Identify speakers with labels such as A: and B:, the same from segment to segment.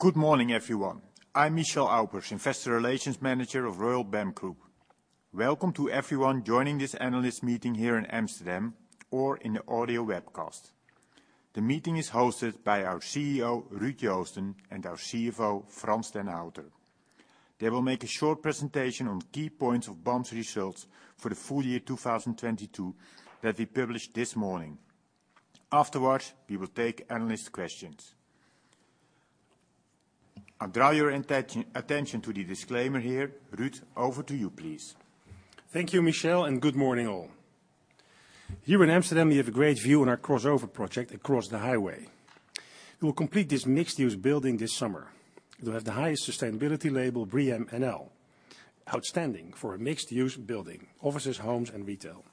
A: Good morning, everyone. I'm Michel Aupers, Investor Relations Manager of Royal BAM Group. Welcome to everyone joining this analyst meeting here in Amsterdam or in the audio webcast. The meeting is hosted by our CEO, Ruud Joosten, and our CFO, Frans den Houter. They will make a short presentation on key points of BAM's results for the full year 2022 that we published this morning. Afterwards, we will take analyst questions. I'll draw your attention to the disclaimer here. Ruud, over to you, please.
B: Thank you, Michel, and good morning, all. Here in Amsterdam, we have a great view on our crossover project across the highway. We'll complete this mixed-use building this summer. It'll have the highest sustainability label, BREEAM-NL, outstanding for a mixed-use building, offices, homes, and retail,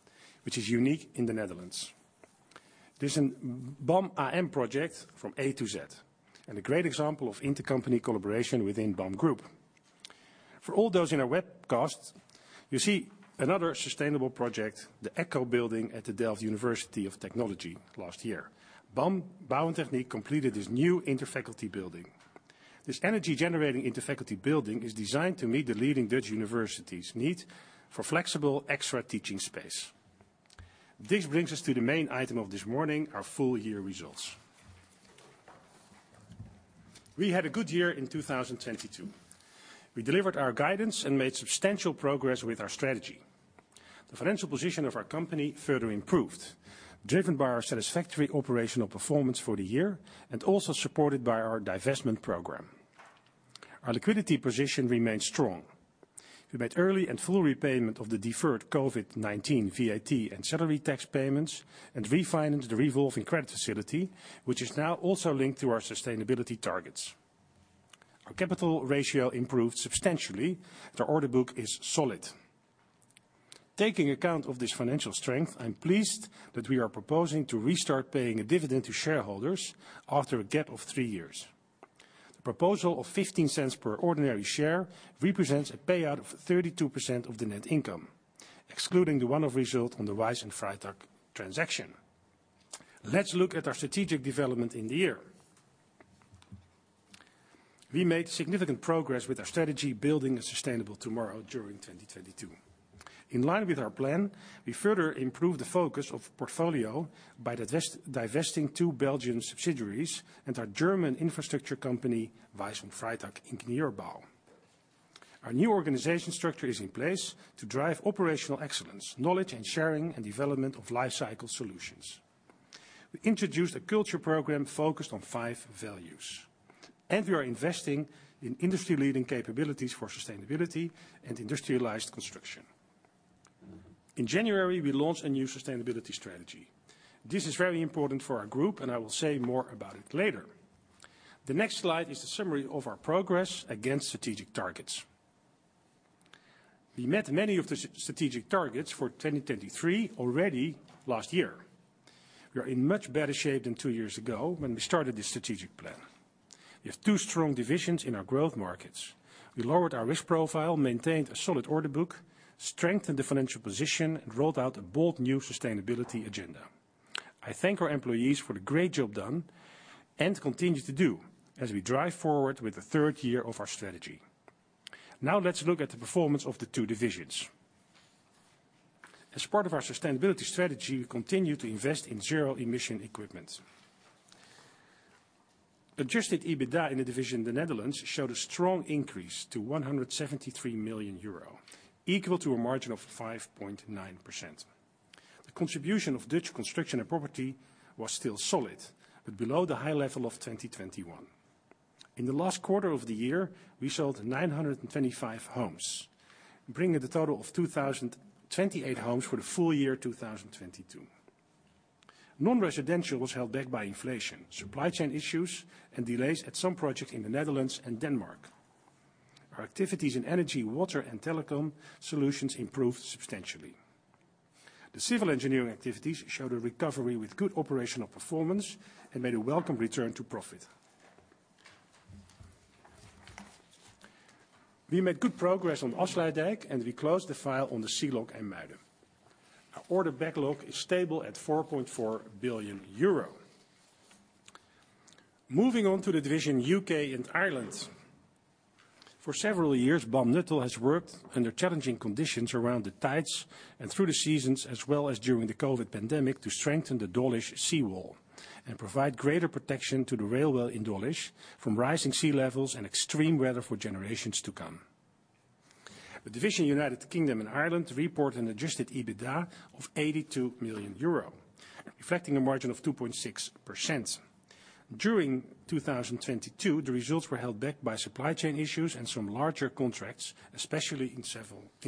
B: which is unique in the Netherlands. This is an BAM AM project from A to Z, and a great example of intercompany collaboration within BAM Group. For all those in our webcast, you see another sustainable project, the Echo building at the Delft University of Technology last year. BAM Bouw en Techniek completed this new interfaculty building. This energy-generating interfaculty building is designed to meet the leading Dutch university's need for flexible extra teaching space. This brings us to the main item of this morning, our full-year results. We had a good year in 2022. We delivered our guidance and made substantial progress with our strategy. The financial position of our company further improved, driven by our satisfactory operational performance for the year and also supported by our divestment program. Our liquidity position remains strong. We made early and full repayment of the deferred COVID-19 VAT and salary tax payments, and refinanced the revolving credit facility, which is now also linked to our sustainability targets. Our capital ratio improved substantially. The order book is solid. Taking account of this financial strength, I'm pleased that we are proposing to restart paying a dividend to shareholders after a gap of 3 years. The proposal of 0.15 per ordinary share represents a payout of 32% of the net income, excluding the one-off result on the Wayss & Freytag transaction. Let's look at our strategic development in the year. We made significant progress with our strategy, Building a Sustainable Tomorrow, during 2022. In line with our plan, we further improved the focus of portfolio by divesting two Belgian subsidiaries and our German infrastructure company, Wayss & Freytag Ingenieurbau. Our new organization structure is in place to drive operational excellence, knowledge and sharing, and development of lifecycle solutions. We introduced a culture program focused on five values, and we are investing in industry-leading capabilities for sustainability and industrialized construction. In January, we launched a new sustainability strategy. This is very important for our group, and I will say more about it later. The next slide is a summary of our progress against strategic targets. We met many of the strategic targets for 2023 already last year. We are in much better shape than two years ago when we started this strategic plan. We have two strong divisions in our growth markets. We lowered our risk profile, maintained a solid order book, strengthened the financial position, and rolled out a bold new sustainability agenda. I thank our employees for the great job done and continue to do as we drive forward with the third year of our strategy. Let's look at the performance of the two divisions. As part of our sustainability strategy, we continue to invest in zero-emission equipment. Adjusted EBITDA in the division in the Netherlands showed a strong increase to 173 million euro, equal to a margin of 5.9%. The contribution of Dutch construction and property was still solid, but below the high level of 2021. In the last quarter of the year, we sold 925 homes, bringing the total of 2,028 homes for the full year 2022. Non-residential was held back by inflation, supply chain issues, and delays at some projects in the Netherlands and Denmark. Our activities in energy, water, and telecom solutions improved substantially. The civil engineering activities showed a recovery with good operational performance and made a welcome return to profit. We made good progress on Afsluitdijk, and we closed the file on the Sea Lock IJmuiden. Our order backlog is stable at 4.4 billion euro. Moving on to the division U.K. and Ireland. For several years, BAM Nuttall has worked under challenging conditions around the tides and through the seasons, as well as during the COVID pandemic, to strengthen the Dawlish sea wall and provide greater protection to the railway in Dawlish from rising sea levels and extreme weather for generations to come. The division BAM U.K. & Ireland report an adjusted EBITDA of 82 million euro, reflecting a margin of 2.6%. During 2022, the results were held back by supply chain issues and some larger contracts, especially in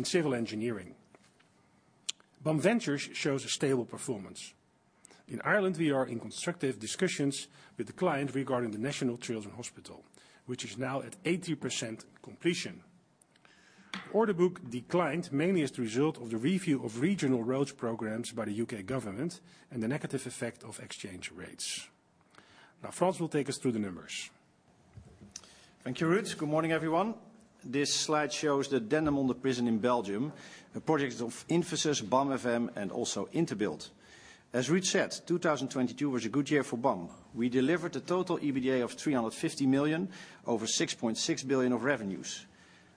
B: civil engineering. BAM Ventures shows a stable performance. In Ireland, we are in constructive discussions with the client regarding the National Children's Hospital, which is now at 80% completion. Order book declined mainly as the result of the review of regional roads programs by the U.K. government and the negative effect of exchange rates. Frans will take us through the numbers.
C: Thank you, Ruud. Good morning, everyone. This slide shows the Dendermonde prison in Belgium, a project of Invesis, BAM FM, and also Interbuild. As Ruud said, 2022 was a good year for BAM. We delivered a total EBITDA of 350 million, over 6.6 billion of revenues.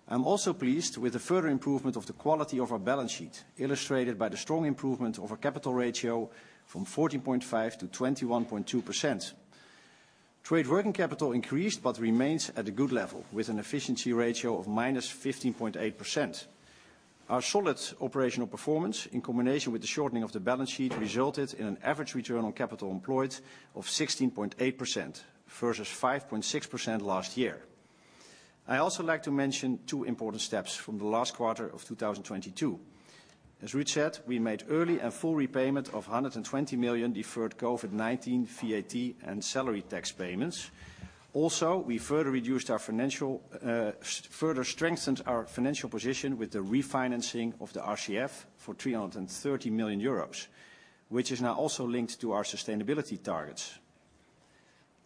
C: I'm also pleased with the further improvement of the quality of our balance sheet, illustrated by the strong improvement of our capital ratio from 14.5% to 21.2%. Trade working capital increased but remains at a good level, with an efficiency ratio of -15.8%. Our solid operational performance, in combination with the shortening of the balance sheet, resulted in an average return on capital employed of 16.8%, versus 5.6% last year. I also like to mention two important steps from the last quarter of 2022. As Ruud said, we made early and full repayment of 120 million deferred COVID-19 VAT and salary tax payments. We further strengthened our financial position with the refinancing of the RCF for 330 million euros, which is now also linked to our sustainability targets.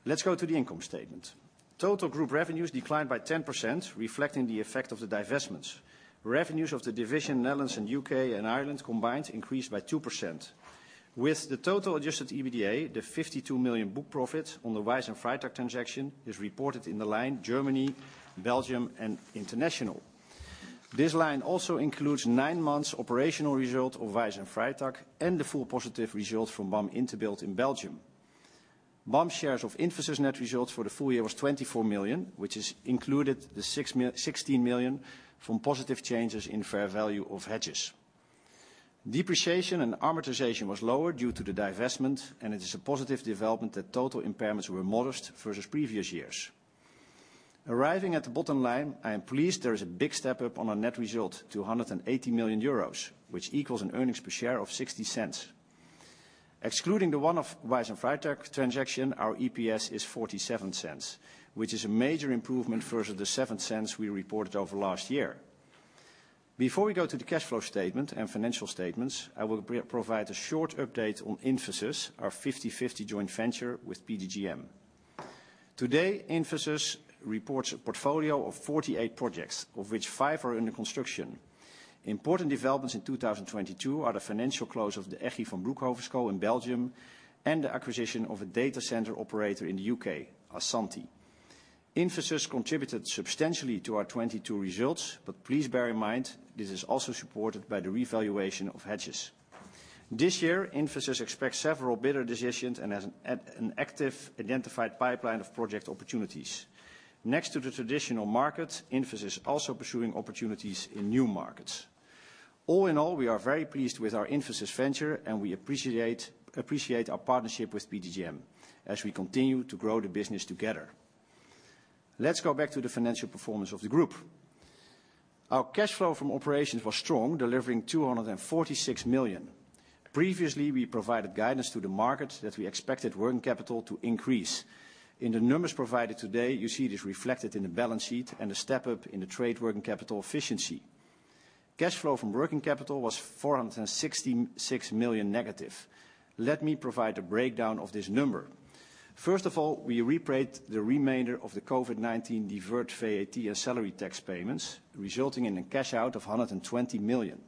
C: Let's go to the income statement. Total group revenues declined by 10%, reflecting the effect of the divestments. Revenues of the division Netherlands and U.K. and Ireland combined increased by 2%. With the total adjusted EBITDA, the 52 million book profit on the Wayss & Freytag transaction is reported in the line Germany, Belgium, and International. This line also includes 9 months operational result of Wayss & Freytag, and the full positive results from BAM Interbuild in Belgium. BAM shares of Infosys net results for the full year was 24 million, which is included the 16 million from positive changes in fair value of hedges. Depreciation and amortization was lower due to the divestment, and it is a positive development that total impairments were modest versus previous years. Arriving at the bottom line, I am pleased there is a big step up on our net result to 180 million euros, which equals an earnings per share of 0.60. Excluding the one-off Wayss & Freytag transaction, our EPS is 0.47, which is a major improvement versus the 0.07 we reported over last year. Before we go to the cash flow statement and financial statements, I will provide a short update on Infosys, our 50/50 joint venture with PGGM. Today, BAM Ventures reports a portfolio of 48 projects, of which 5 are under construction. Important developments in 2022 are the financial close of the Egied van Broeckhovenschool school in Belgium, and the acquisition of a data center operator in the U.K., Asanti. BAM Ventures contributed substantially to our 2022 results, please bear in mind, this is also supported by the revaluation of hedges. This year, BAM Ventures expects several bidder decisions and has an active identified pipeline of project opportunities. Next to the traditional market, BAM Ventures also pursuing opportunities in new markets. All in all, we are very pleased with our BAM Ventures venture, and we appreciate our partnership with PGGM as we continue to grow the business together. Let's go back to the financial performance of the group. Our cash flow from operations was strong, delivering 246 million. Previously, we provided guidance to the market that we expected working capital to increase. In the numbers provided today, you see it is reflected in the balance sheet and a step up in the trade working capital efficiency. Cash flow from working capital was 466 million negative. Let me provide a breakdown of this number. First of all, we repaid the remainder of the COVID-19 deferred VAT and salary tax payments, resulting in a cash out of 120 million.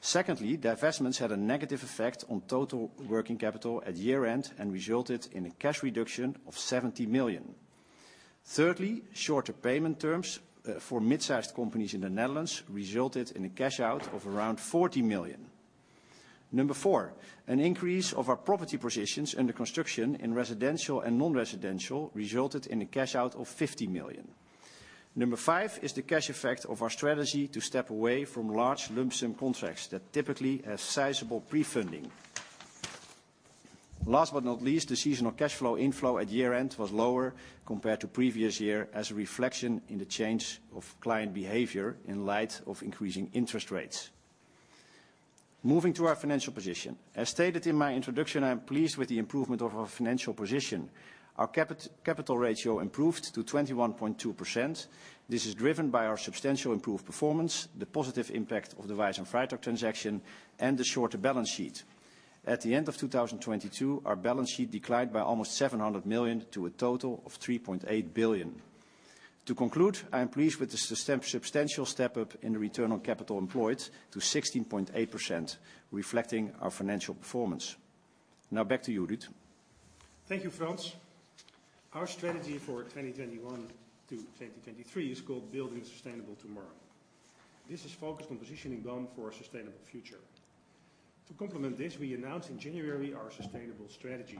C: Secondly, divestments had a negative effect on total working capital at year-end and resulted in a cash reduction of 70 million. Thirdly, shorter payment terms for mid-sized companies in the Netherlands resulted in a cash out of around 40 million. Number four, an increase of our property positions under construction in residential and non-residential resulted in a cash out of 50 million. Number five is the cash effect of our strategy to step away from large lump sum contracts that typically have sizable pre-funding. Last but not least, the seasonal cash flow inflow at year-end was lower compared to previous year as a reflection in the change of client behavior in light of increasing interest rates. Moving to our financial position. As stated in my introduction, I am pleased with the improvement of our financial position. Our capital ratio improved to 21.2%. This is driven by our substantial improved performance, the positive impact of the Wayss & Freytag transaction, and the shorter balance sheet. At the end of 2022, our balance sheet declined by almost 700 million to a total of 3.8 billion. To conclude, I am pleased with the substantial step up in the return on capital employed to 16.8%, reflecting our financial performance. Back to you, Ruud.
B: Thank you, Frans. Our strategy for 2021 to 2023 is called Building a Sustainable Tomorrow. This is focused on positioning BAM for a sustainable future. To complement this, we announced in January our sustainable strategy.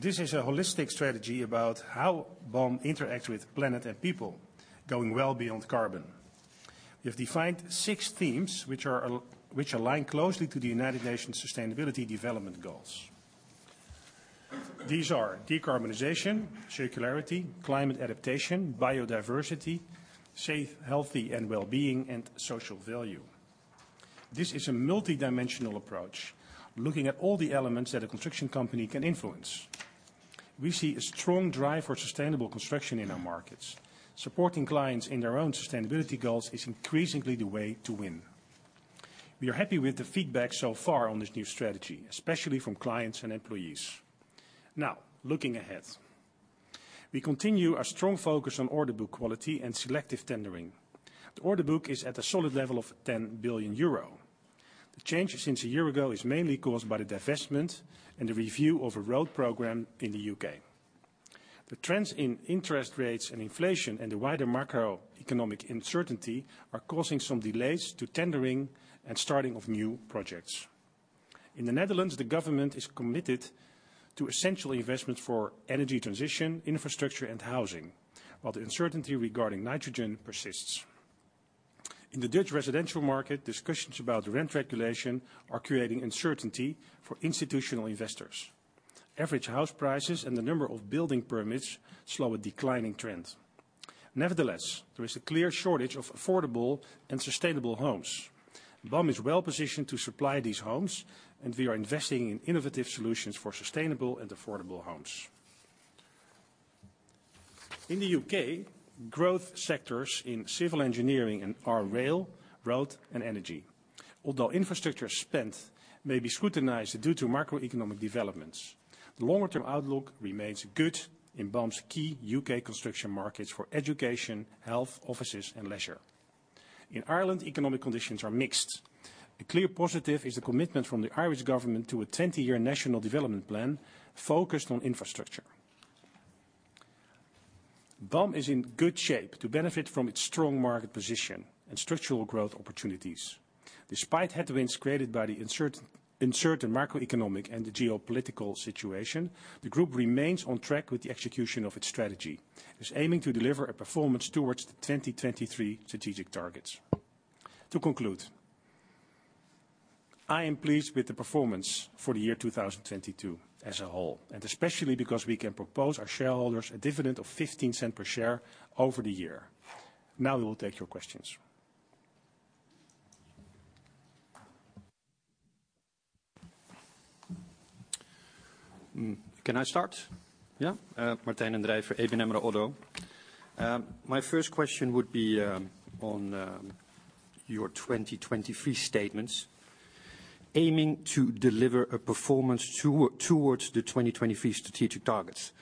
B: This is a holistic strategy about how BAM interacts with planet and people, going well beyond carbon. We have defined six themes which align closely to the United Nations Sustainable Development Goals. These are decarbonization, circularity, climate adaptation, biodiversity, safe, healthy, and well-being, and social value. This is a multidimensional approach, looking at all the elements that a construction company can influence. We see a strong drive for sustainable construction in our markets. Supporting clients in their own sustainability goals is increasingly the way to win. We are happy with the feedback so far on this new strategy, especially from clients and employees. Looking ahead. We continue our strong focus on order book quality and selective tendering. The order book is at a solid level of 10 billion euro. The change since a year ago is mainly caused by the divestment and the review of a road program in the U.K. The wider macroeconomic uncertainty are causing some delays to tendering and starting of new projects. In the Netherlands, the government is committed to essential investments for energy transition, infrastructure, and housing, while the uncertainty regarding nitrogen persists. In the Dutch residential market, discussions about the rent regulation are creating uncertainty for institutional investors. Average house prices and the number of building permits slow a declining trend. Nevertheless, there is a clear shortage of affordable and sustainable homes. BAM is well-positioned to supply these homes. We are investing in innovative solutions for sustainable and affordable homes. In the U.K., growth sectors in civil engineering are rail, road, and energy. Although infrastructure spend may be scrutinized due to macroeconomic developments, the longer-term outlook remains good in BAM's key U.K. construction markets for education, health, offices, and leisure. In Ireland, economic conditions are mixed. A clear positive is the commitment from the Irish government to a 20-year national development plan focused on infrastructure. BAM is in good shape to benefit from its strong market position and structural growth opportunities. Despite headwinds created by the uncertain macroeconomic and the geopolitical situation, the group remains on track with the execution of its strategy. It's aiming to deliver a performance towards the 2023 strategic targets. To conclude, I am pleased with the performance for the year 2022 as a whole, and especially because we can propose our shareholders a dividend of 0.15 per share over the year. We will take your questions.
D: Can I start? Yeah. Martijn den Drijver, ABN AMRO Oddo BHF. My first question would be, on your 2023 statements, aiming to deliver a performance towards the 2023 strategic targets.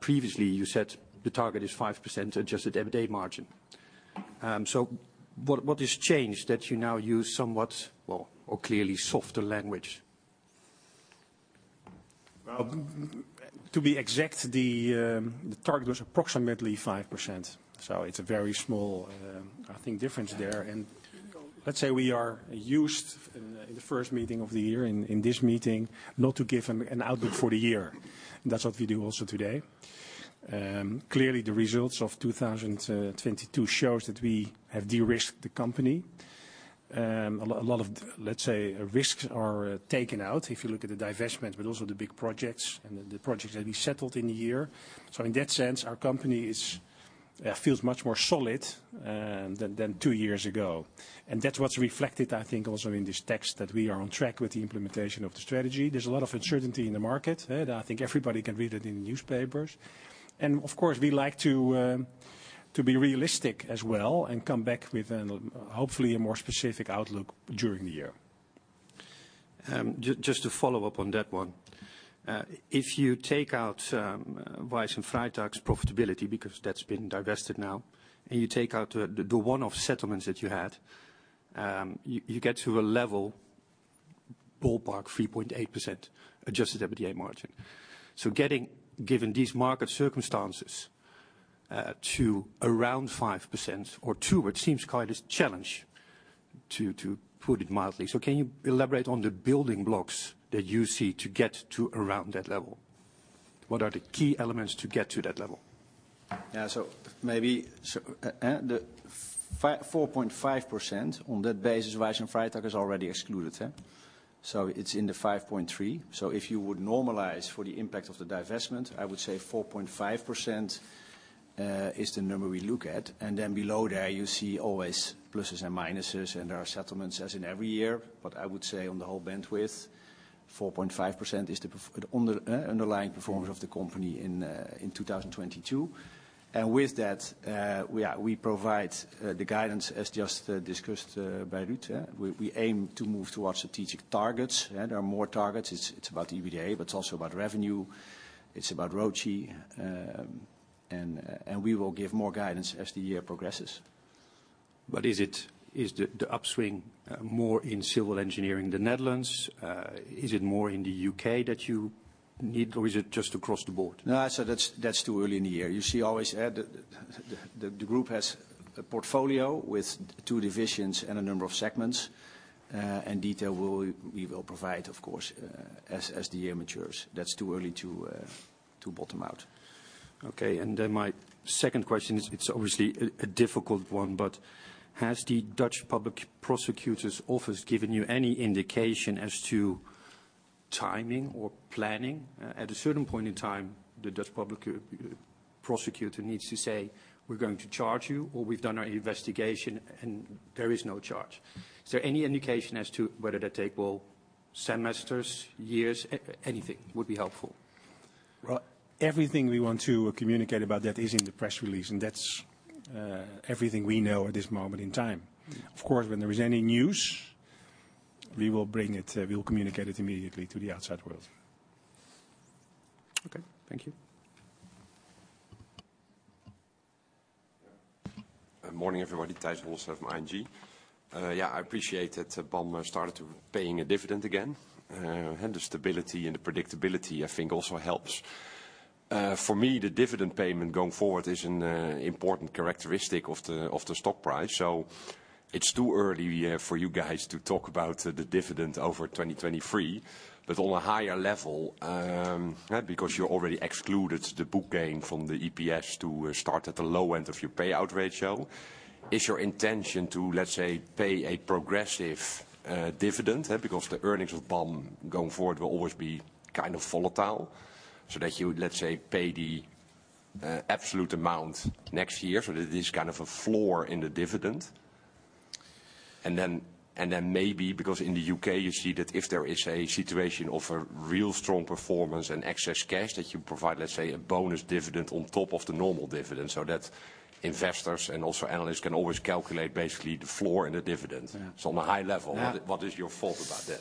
D: Previously you said the target is 5% adjusted EBITDA margin. What has changed that you now use somewhat, well, or clearly softer language?
B: Well, to be exact, the target was approximately 5%, so it's a very small, I think difference there. Let's say we are used in the first meeting of the year, in this meeting, not to give an outlook for the year. That's what we do also today. Clearly the results of 2022 shows that we have de-risked the company. A lot of let's say, risks are taken out, if you look at the divestment, but also the big projects and the projects that we settled in the year. In that sense, our company is, feels much more solid, than two years ago. That's what's reflected, I think, also in this text, that we are on track with the implementation of the strategy. There's a lot of uncertainty in the market. I think everybody can read it in the newspapers. Of course, we like to be realistic as well and come back with hopefully a more specific outlook during the year.
D: Just to follow up on that one. If you take out Wayss & Freytag's profitability, because that's been divested now, and you take out the one-off settlements that you had, you get to a level ballpark 3.8% adjusted EBITDA margin. Getting, given these market circumstances, to around 5% or two, it seems quite a challenge, to put it mildly. Can you elaborate on the building blocks that you see to get to around that level? What are the key elements to get to that level?
B: Yeah. Maybe 4.5%, on that basis, Wayss & Freytag is already excluded, huh? It's in the 5.3%. If you would normalize for the impact of the divestment, I would say 4.5% is the underlying performance of the company in 2022. With that, we provide the guidance as just discussed by Ruud, we aim to move towards strategic targets, yeah. There are more targets. It's about the EBITDA, but it's also about revenue. It's about ROCE. We will give more guidance as the year progresses.
D: Is it, is the upswing, more in civil engineering, the Netherlands? Is it more in the U.K. that you need or is it just across the board?
B: No. That's too early in the year. You see always the group has a portfolio with two divisions and a number of segments. Detail we will provide of course, as the year matures. That's too early to bottom out.
D: My second question is, it's obviously a difficult one, but has the Netherlands Public Prosecution Service given you any indication as to timing or planning? At a certain point in time, the Dutch public prosecutor needs to say, "We're going to charge you," or, "We've done our investigation, and there is no charge." Is there any indication as to whether that take, well, semesters, years? Anything would be helpful.
C: Well, everything we want to communicate about that is in the press release, that's everything we know at this moment in time. Of course, when there is any news, we will bring it, we will communicate it immediately to the outside world.
D: Okay, thank you.
E: Morning, everybody. Tijs Hollestelle from ING. Yeah, I appreciate that BAM started to paying a dividend again. And the stability and the predictability I think also helps. For me, the dividend payment going forward is an important characteristic of the stock price. It's too early, yeah, for you guys to talk about the dividend over 2023. On a higher level, yeah, because you already excluded the book gain from the EPS to start at the low end of your payout ratio, is your intention to, let's say, pay a progressive dividend? The earnings of BAM going forward will always be kind of volatile, so that you, let's say, pay the absolute amount next year so that it is kind of a floor in the dividend. Maybe because in the U.K. you see that if there is a situation of a real strong performance and excess cash that you provide, let's say, a bonus dividend on top of the normal dividend so that investors and also analysts can always calculate basically the floor and the dividend.
C: Yeah.
E: on a high level-
C: Yeah.
E: What is your thought about that?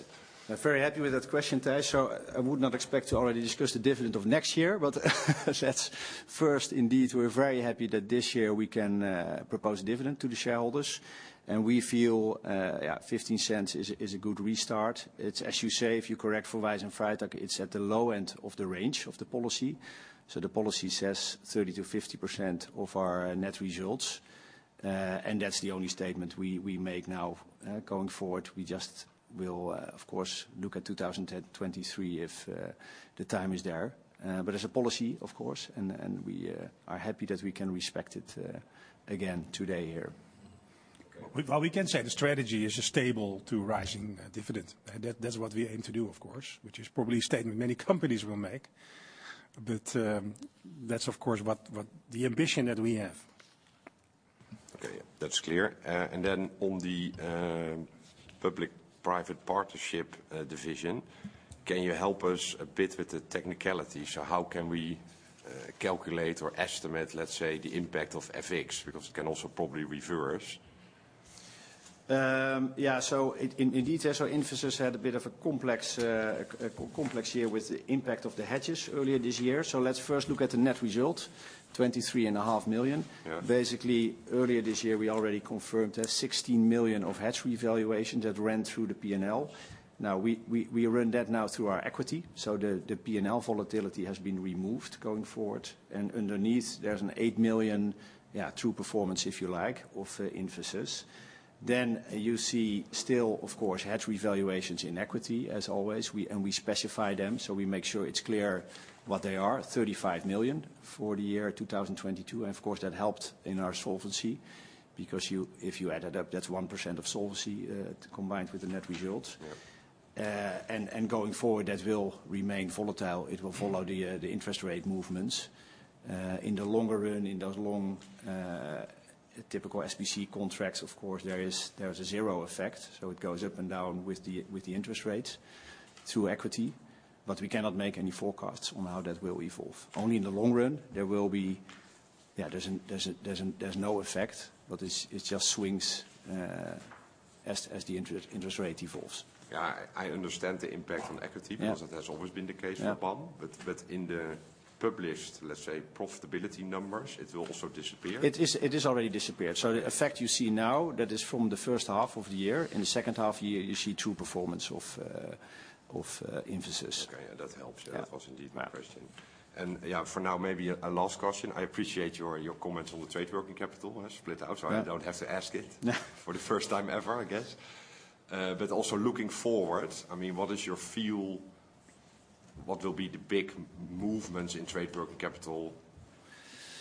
C: I'm very happy with that question, Tijs. I would not expect to already discuss the dividend of next year. That's first indeed, we're very happy that this year we can propose dividend to the shareholders. We feel 0.15 is a good restart. It's as you say, if you correct for the one-off, it's at the low end of the range of the policy. The policy says 30%-50% of our net results. And that's the only statement we make now. Going forward, we just will, of course, look at 2023 if the time is there. As a policy, of course, and we are happy that we can respect it again today here.
E: Okay.
C: Well, we can say the strategy is a stable to rising dividend. That's what we aim to do, of course, which is probably a statement many companies will make. That's of course what the ambition that we have.
E: Okay. That's clear. Then on the public-private partnership division, can you help us a bit with the technicalities? How can we calculate or estimate, let's say, the impact of FX? Because it can also probably reverse.
C: Yeah. Indeed, Infosys had a bit of a complex year with the impact of the hedges earlier this year. Let's first look at the net result, 23.5 million.
E: Yeah.
C: Basically, earlier this year we already confirmed there's 16 million of hedge revaluations that ran through the P&L. we run that now through our equity. The P&L volatility has been removed going forward. Underneath there's an 8 million, yeah, true performance if you like, of Infosys. You see still of course, hedge revaluations in equity as always. we specify them, so we make sure it's clear what they are. 35 million for the year 2022. Of course, that helped in our solvency because if you add it up, that's 1% of solvency, combined with the net results.
E: Yeah.
C: Going forward that will remain volatile. It will follow the interest rate movements. In the longer run, in those long, typical SBC contracts, of course, there is a zero effect. It goes up and down with the interest rates through equity. We cannot make any forecasts on how that will evolve. Only in the long run there will be. Yeah, there's no effect, but it's, it just swings as the interest rate evolves.
E: Yeah. I understand the impact on equity-
C: Yeah.
E: That has always been the case with BAM.
C: Yeah.
E: In the published, let's say, profitability numbers, it will also disappear?
C: It is already disappeared. The effect you see now, that is from the first half of the year. In the second half year, you see true performance of Infosys.
E: Okay. Yeah. That helps.
C: Yeah.
E: That was indeed my question. Yeah, for now maybe a last question. I appreciate your comments on the trade working capital split out-
C: Yeah.
E: I don't have to ask it.
C: Yeah.
E: -for the first time ever, I guess. Also looking forward, I mean, what is your feel? What will be the big movements in trade working capital,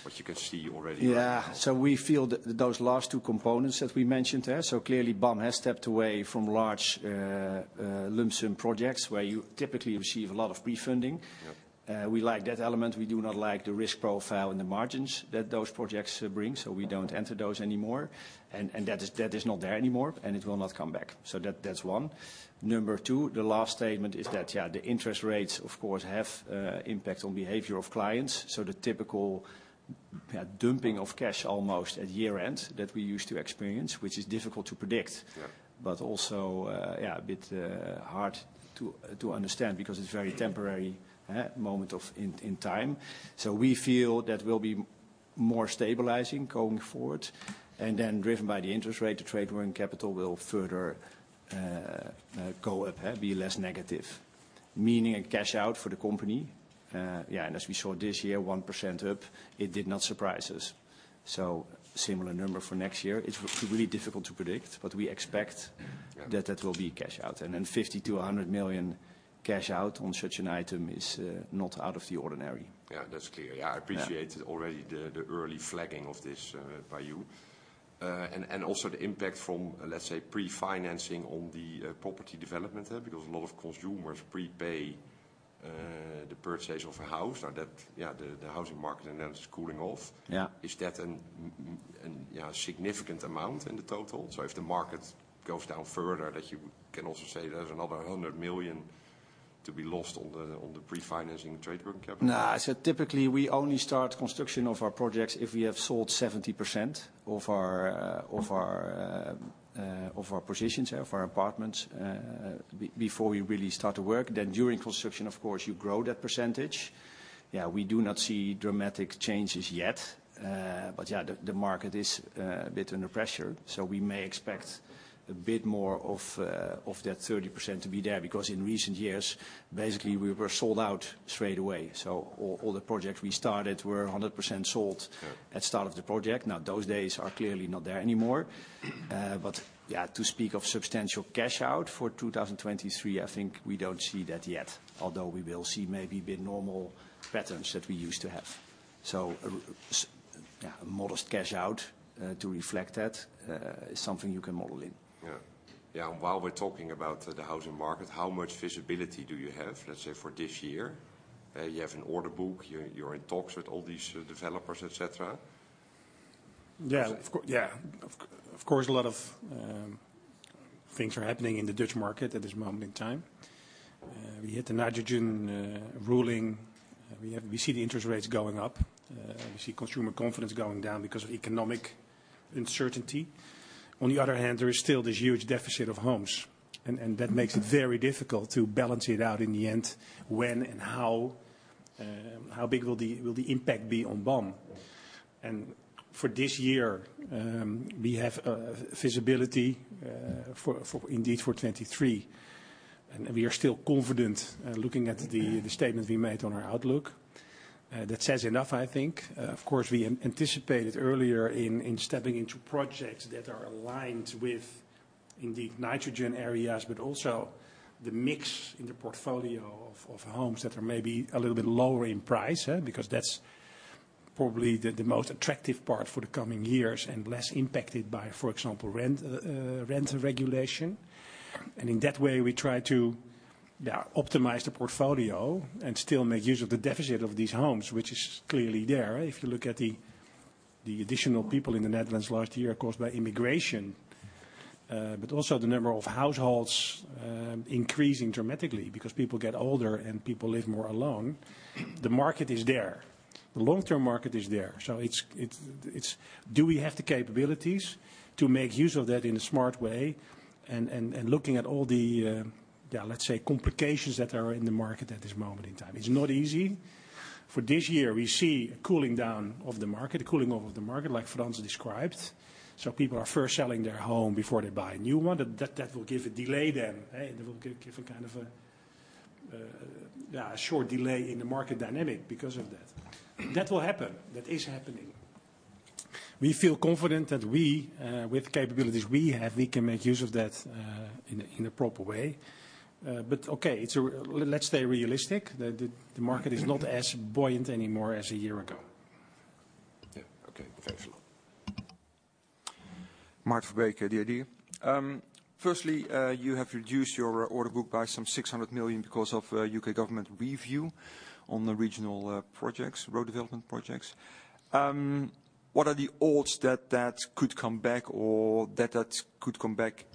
E: what you can see already right now?
C: Yeah. We feel that those last two components that we mentioned there. Clearly BAM has stepped away from large lump sum projects where you typically receive a lot of pre-funding.
E: Yeah.
C: We like that element. We do not like the risk profile and the margins that those projects bring. We don't enter those anymore. That is not there anymore and it will not come back. That's one. Number two, the last statement is that, yeah, the interest rates of course have impact on behavior of clients. The typical, yeah, dumping of cash almost at year-end that we used to experience, which is difficult to predict.
E: Yeah.
C: Also, yeah, a bit hard to understand because it's very temporary moment in time. We feel that we'll be more stabilizing going forward. Then driven by the interest rate, the trade working capital will further go up, be less negative, meaning a cash out for the company. Yeah. As we saw this year, 1% up, it did not surprise us. Similar number for next year, it's really difficult to predict.
E: Yeah.
C: We expect that that will be a cash out. 50 million-100 million cash out on such an item is not out of the ordinary.
E: Yeah. That's clear. Yeah.
C: Yeah.
E: I appreciate already the early flagging of this by you. Also the impact from, let's say, pre-financing on the property development there, because a lot of consumers prepay the purchase of a house. Yeah, the housing market in the Netherlands is cooling off.
B: Yeah.
E: Is that an significant amount in the total? If the market goes down further, that you can also say there's another 100 million to be lost on the pre-financing trade working capital?
B: No. Typically we only start construction of our projects if we have sold 70% of our positions, yeah, of our apartments, before we really start to work. During construction, of course, you grow that percentage. Yeah, we do not see dramatic changes yet. Yeah, the market is a bit under pressure, so we may expect a bit more of that 30% to be there. Because in recent years, basically we were sold out straight away, so all the projects we started were 100% sold.
E: Sure...
B: at start of the project. Those days are clearly not there anymore. Yeah, to speak of substantial cash out for 2023, I think we don't see that yet. Although we will see maybe a bit normal patterns that we used to have. Yeah, a modest cash out, to reflect that, is something you can model in.
E: Yeah. Yeah, while we're talking about the housing market, how much visibility do you have, let's say, for this year? You have an order book, you're in talks with all these developers, et cetera.
B: Of course a lot of things are happening in the Dutch market at this moment in time. We had the nitrogen ruling, we see the interest rates going up. We see consumer confidence going down because of economic uncertainty. On the other hand, there is still this huge deficit of homes, and that makes it very difficult to balance it out in the end, when and how big will the impact be on BAM. For this year, we have visibility for indeed for 2023, and we are still confident looking at the statement we made on our outlook. That says enough, I think. Of course, we anticipated earlier in stepping into projects that are aligned with indeed nitrogen areas, but also the mix in the portfolio of homes that are maybe a little bit lower in price, huh? Because that's probably the most attractive part for the coming years, and less impacted by, for example, rent regulation. In that way, we try to, yeah, optimize the portfolio and still make use of the deficit of these homes, which is clearly there, if you look at the additional people in the Netherlands last year caused by immigration. But also the number of households increasing dramatically because people get older and people live more alone. The market is there. The long-term market is there. It's... Do we have the capabilities to make use of that in a smart way? Looking at all the, yeah, let's say complications that are in the market at this moment in time. It's not easy. For this year, we see a cooling down of the market, a cooling off of the market, like Frans described. People are first selling their home before they buy a new one. That will give a delay then, eh? That will give a kind of a, yeah, a short delay in the market dynamic because of that. That will happen. That is happening. We feel confident that we, with capabilities we have, we can make use of that in a proper way. Okay, let's stay realistic. The market is not as buoyant anymore as a year ago.
E: Yeah. Okay. Thanks a lot.
F: Maarten Verbeek, from The Idea. Firstly, you have reduced your order book by some 600 million because of a U.K. government review on the regional projects, road development projects. What are the odds that that could come back, or that that could come back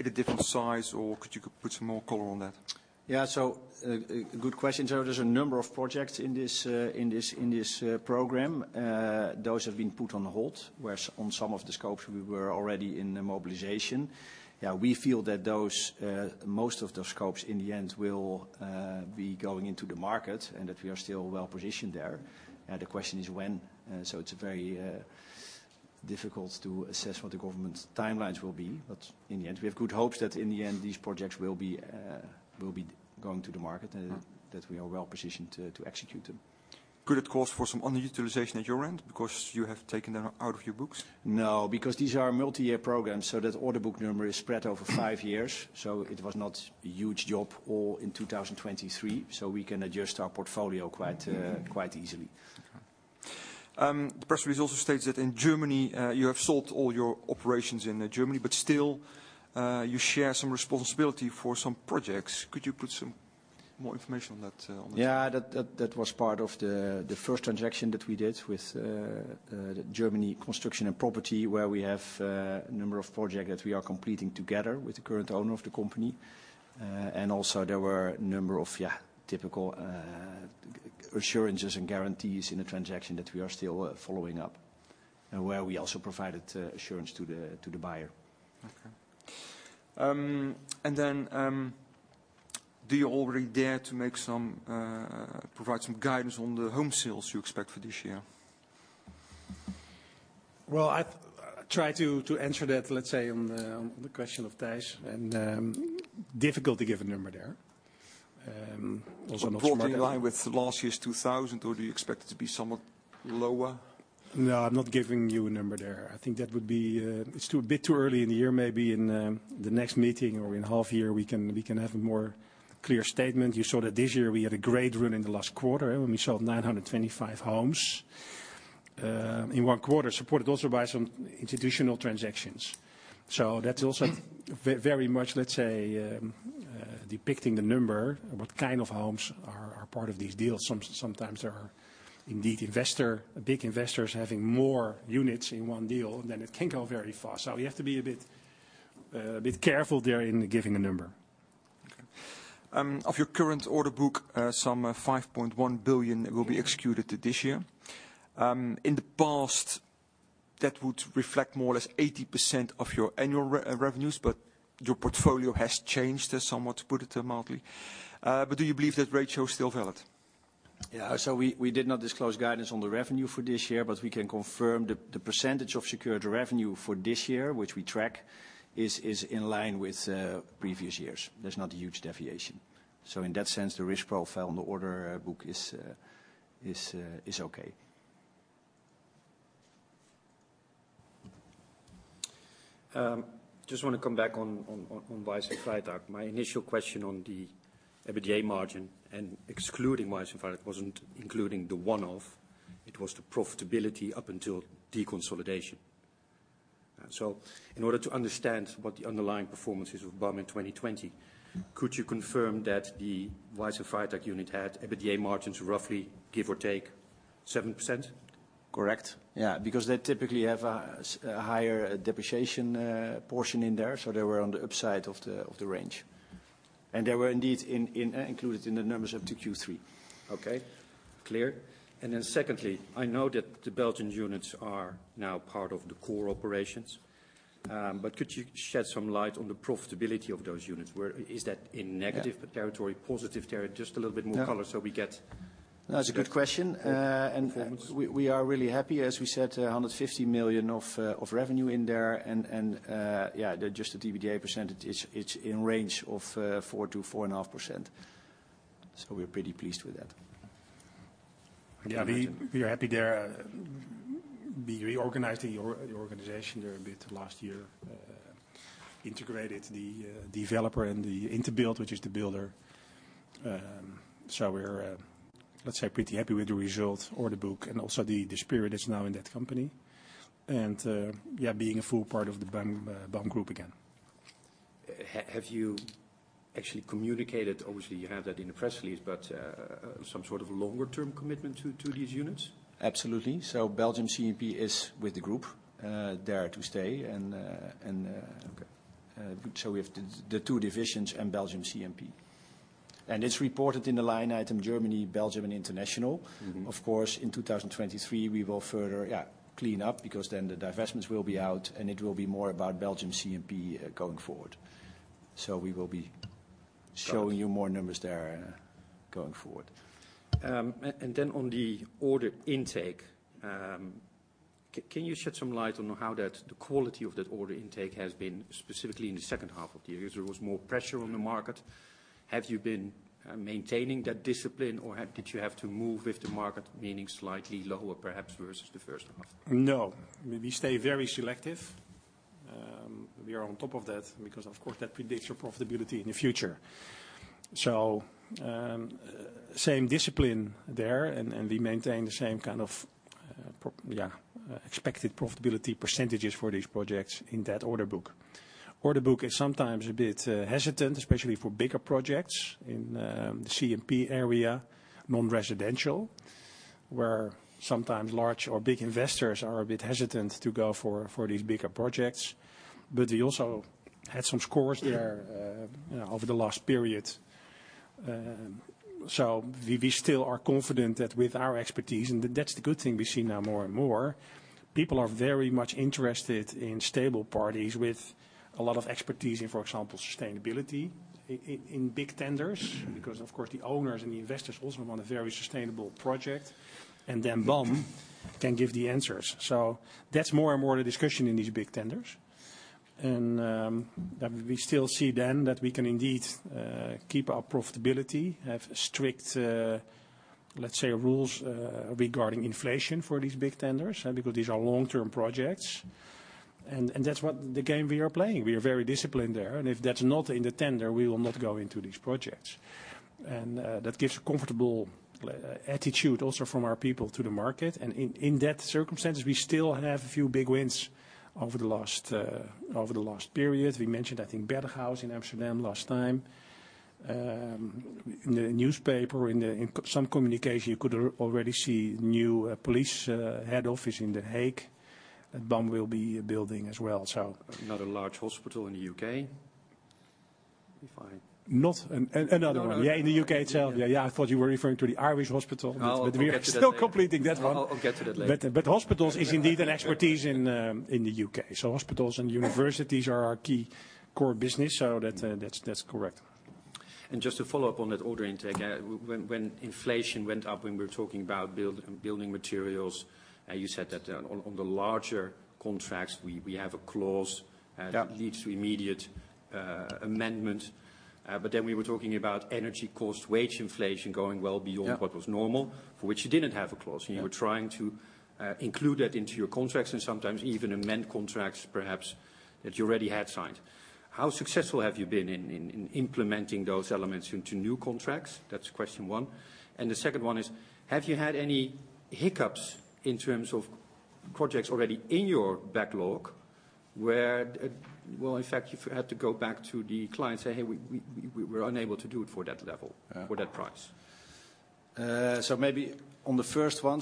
F: at a different size, or could you put some more color on that?
B: A good question. There's a number of projects in this, in this, in this program. Those have been put on hold, where on some of the scopes we were already in the mobilization. We feel that those, most of those scopes in the end will be going into the market and that we are still well positioned there. The question is when. It's very difficult to assess what the government's timelines will be. In the end, we have good hopes that in the end these projects will be going to the market and that we are well positioned to execute them.
F: Could it cause for some underutilization at your end because you have taken them out of your books?
B: No, because these are multi-year programs, so that order book number is spread over five years. It was not a huge job all in 2023. We can adjust our portfolio quite easily.
F: The press release also states that in Germany, you have sold all your operations in Germany, but still, you share some responsibility for some projects. Could you put some more information on that?
B: That was part of the first transaction that we did with the Germany Construction and Property, where we have a number of projects that we are completing together with the current owner of the company. Also there were a number of, yeah, typical assurances and guarantees in the transaction that we are still following up, and where we also provided assurance to the buyer.
F: Okay. Do you already dare to make some, provide some guidance on the home sales you expect for this year?
B: Well, I try to answer that, let's say on the question of Thijs, and difficult to give a number there. also not smart-
F: Broadly in line with last year's 2000, or do you expect it to be somewhat lower?
B: No, I'm not giving you a number there. I think that would be a bit too early in the year. Maybe in the next meeting or in half year, we can have a more clear statement. You saw that this year we had a great run in the last quarter, and we sold 925 homes. In one quarter, supported also by some institutional transactions. That's also very much, let's say, depicting the number, what kind of homes are part of these deals. Sometimes there are indeed investor, big investors having more units in one deal, then it can go very fast. You have to be a bit careful there in giving a number.
F: Okay. Of your current order book, some 5.1 billion will be executed this year. In the past, that would reflect more or less 80% of your annual revenues, but your portfolio has changed somewhat, to put it mildly. Do you believe that ratio is still valid?
B: Yeah. We did not disclose guidance on the revenue for this year, but we can confirm the percentage of secured revenue for this year, which we track, is in line with previous years. There's not a huge deviation. In that sense, the risk profile on the order book is okay.
F: Just want to come back on Wayss & Freytag. My initial question on the EBITDA margin and excluding Wayss & Freytag wasn't including the one-off, it was the profitability up until deconsolidation. In order to understand what the underlying performance is of BAM in 2020, could you confirm that the Wayss & Freytag unit had EBITDA margins roughly, give or take, 7%?
B: Correct. Yeah. Because they typically have a higher depreciation portion in there, so they were on the upside of the range. They were indeed included in the numbers up to Q3.
F: Okay. Clear. Secondly, I know that the Belgian units are now part of the core operations, could you shed some light on the profitability of those units? Is that in negative-
B: Yeah
F: ...territory, positive territory? Just a little bit more color.
B: Yeah
F: ...so we.
B: No, it's a good question.
F: ...full performance.
B: We are really happy. As we said, 150 million of revenue in there, and yeah, the just the EBITDA %, it's in range of 4%-4.5%. We're pretty pleased with that.
F: Okay. Got it.
B: We are happy there. We reorganized the organization there a bit last year, integrated the developer and the Interbuild, which is the builder. We're let's say pretty happy with the results, order book, and also the spirit is now in that company. Being a full part of the BAM Group again.
F: Have you actually communicated, obviously you had that in the press release, but some sort of longer term commitment to these units?
B: Absolutely. Belgium CMP is with the group there to stay.
F: Okay
B: We have the two divisions and Belgium CMP. It's reported in the line item Germany, Belgium, and International.
F: Mm-hmm.
B: Of course, in 2023 we will further, clean up because then the divestments will be out, and it will be more about Belgium CMP, going forward. We will be showing you more numbers there going forward.
F: On the order intake, can you shed some light on how that, the quality of that order intake has been specifically in the second half of the year? There was more pressure on the market. Have you been maintaining that discipline or did you have to move with the market, meaning slightly lower perhaps versus the first half?
B: No. We stay very selective. We are on top of that because of course that predicts your profitability in the future. Same discipline there and we maintain the same kind of expected profitability percentages for these projects in that order book. Order book is sometimes a bit hesitant, especially for bigger projects in the CMP area, non-residential, where sometimes large or big investors are a bit hesitant to go for these bigger projects. We also had some scores there, you know, over the last period. We still are confident that with our expertise, and that's the good thing we see now more and more, people are very much interested in stable parties with a lot of expertise in, for example, sustainability in big tenders. Of course the owners and the investors also want a very sustainable project, and then BAM can give the answers. That's more and more the discussion in these big tenders. We still see then that we can indeed keep our profitability, have strict, let's say, rules regarding inflation for these big tenders, because these are long-term projects. That's what the game we are playing. We are very disciplined there. If that's not in the tender, we will not go into these projects. That gives a comfortable attitude also from our people to the market. In that circumstances, we still have a few big wins over the last over the last period. We mentioned, I think, Bajeskwartier in Amsterdam last time. In the newspaper, in some communication, you could already see new police head office in The Hague that BAM will be building as well, so.
F: Another large hospital in the U.K.
B: Not another one.
F: No, no.
B: Yeah, in the U.K. itself. Yeah, yeah. I thought you were referring to the Irish hospital.
F: I'll get to that later.
B: We are still completing that one.
F: I'll get to that later.
B: Hospitals is indeed an expertise in the U.K. Hospitals and universities are our key core business, so that's correct.
F: Just to follow up on that order intake, when inflation went up, when we were talking about building materials, you said that on the larger contracts we have a clause.
B: Yeah
F: ...that leads to immediate amendment. We were talking about energy cost, wage inflation going well beyond-
B: Yeah
F: ...what was normal, for which you didn't have a clause.
B: Yeah.
F: You were trying to include that into your contracts and sometimes even amend contracts perhaps that you already had signed. How successful have you been in implementing those elements into new contracts? That's question one. The second one is, have you had any hiccups in terms of projects already in your backlog? Where, well, in fact, you've had to go back to the client, say, "Hey, we're unable to do it for that level-
C: Yeah.
F: -for that price.
C: Maybe on the first one,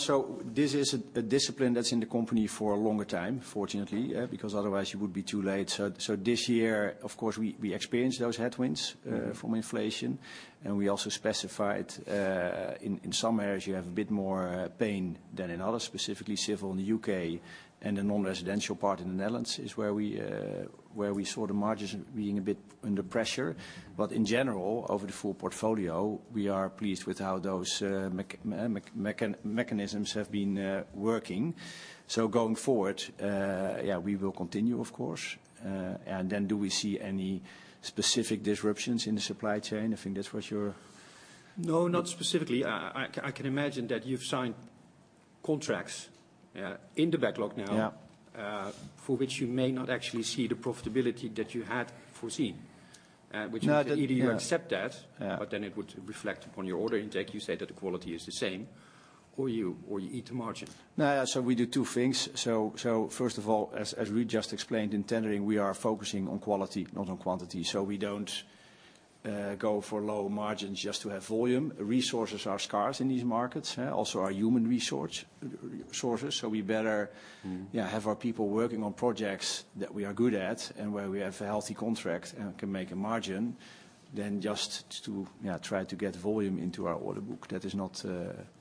C: this is a discipline that's in the company for a longer time, fortunately. Yeah. Because otherwise you would be too late. This year, of course, we experienced those headwinds.
F: Mm-hmm
C: ...from inflation, we also specified, in some areas you have a bit more pain than in others, specifically Civil in the U.K. and the non-residential part in the Netherlands is where we saw the margins being a bit under pressure. In general, over the full portfolio, we are pleased with how those mechanisms have been working. Going forward, yeah, we will continue, of course. Then do we see any specific disruptions in the supply chain? I think that was your.
F: No, not specifically. I can imagine that you've signed contracts, in the backlog now-
C: Yeah ...
F: for which you may not actually see the profitability that you had foreseen.
C: No. Yeah.
F: either you accept that.
C: Yeah
F: It would reflect upon your order intake, you say that the quality is the same, or you eat the margin.
C: No. We do two things. First of all, as Ruud just explained, in tendering we are focusing on quality, not on quantity, so we don't go for low margins just to have volume. Resources are scarce in these markets, yeah, also our human resources. We better.
F: Mm-hmm
C: ...yeah, have our people working on projects that we are good at and where we have a healthy contract and can make a margin than just to, you know, try to get volume into our order book. That is not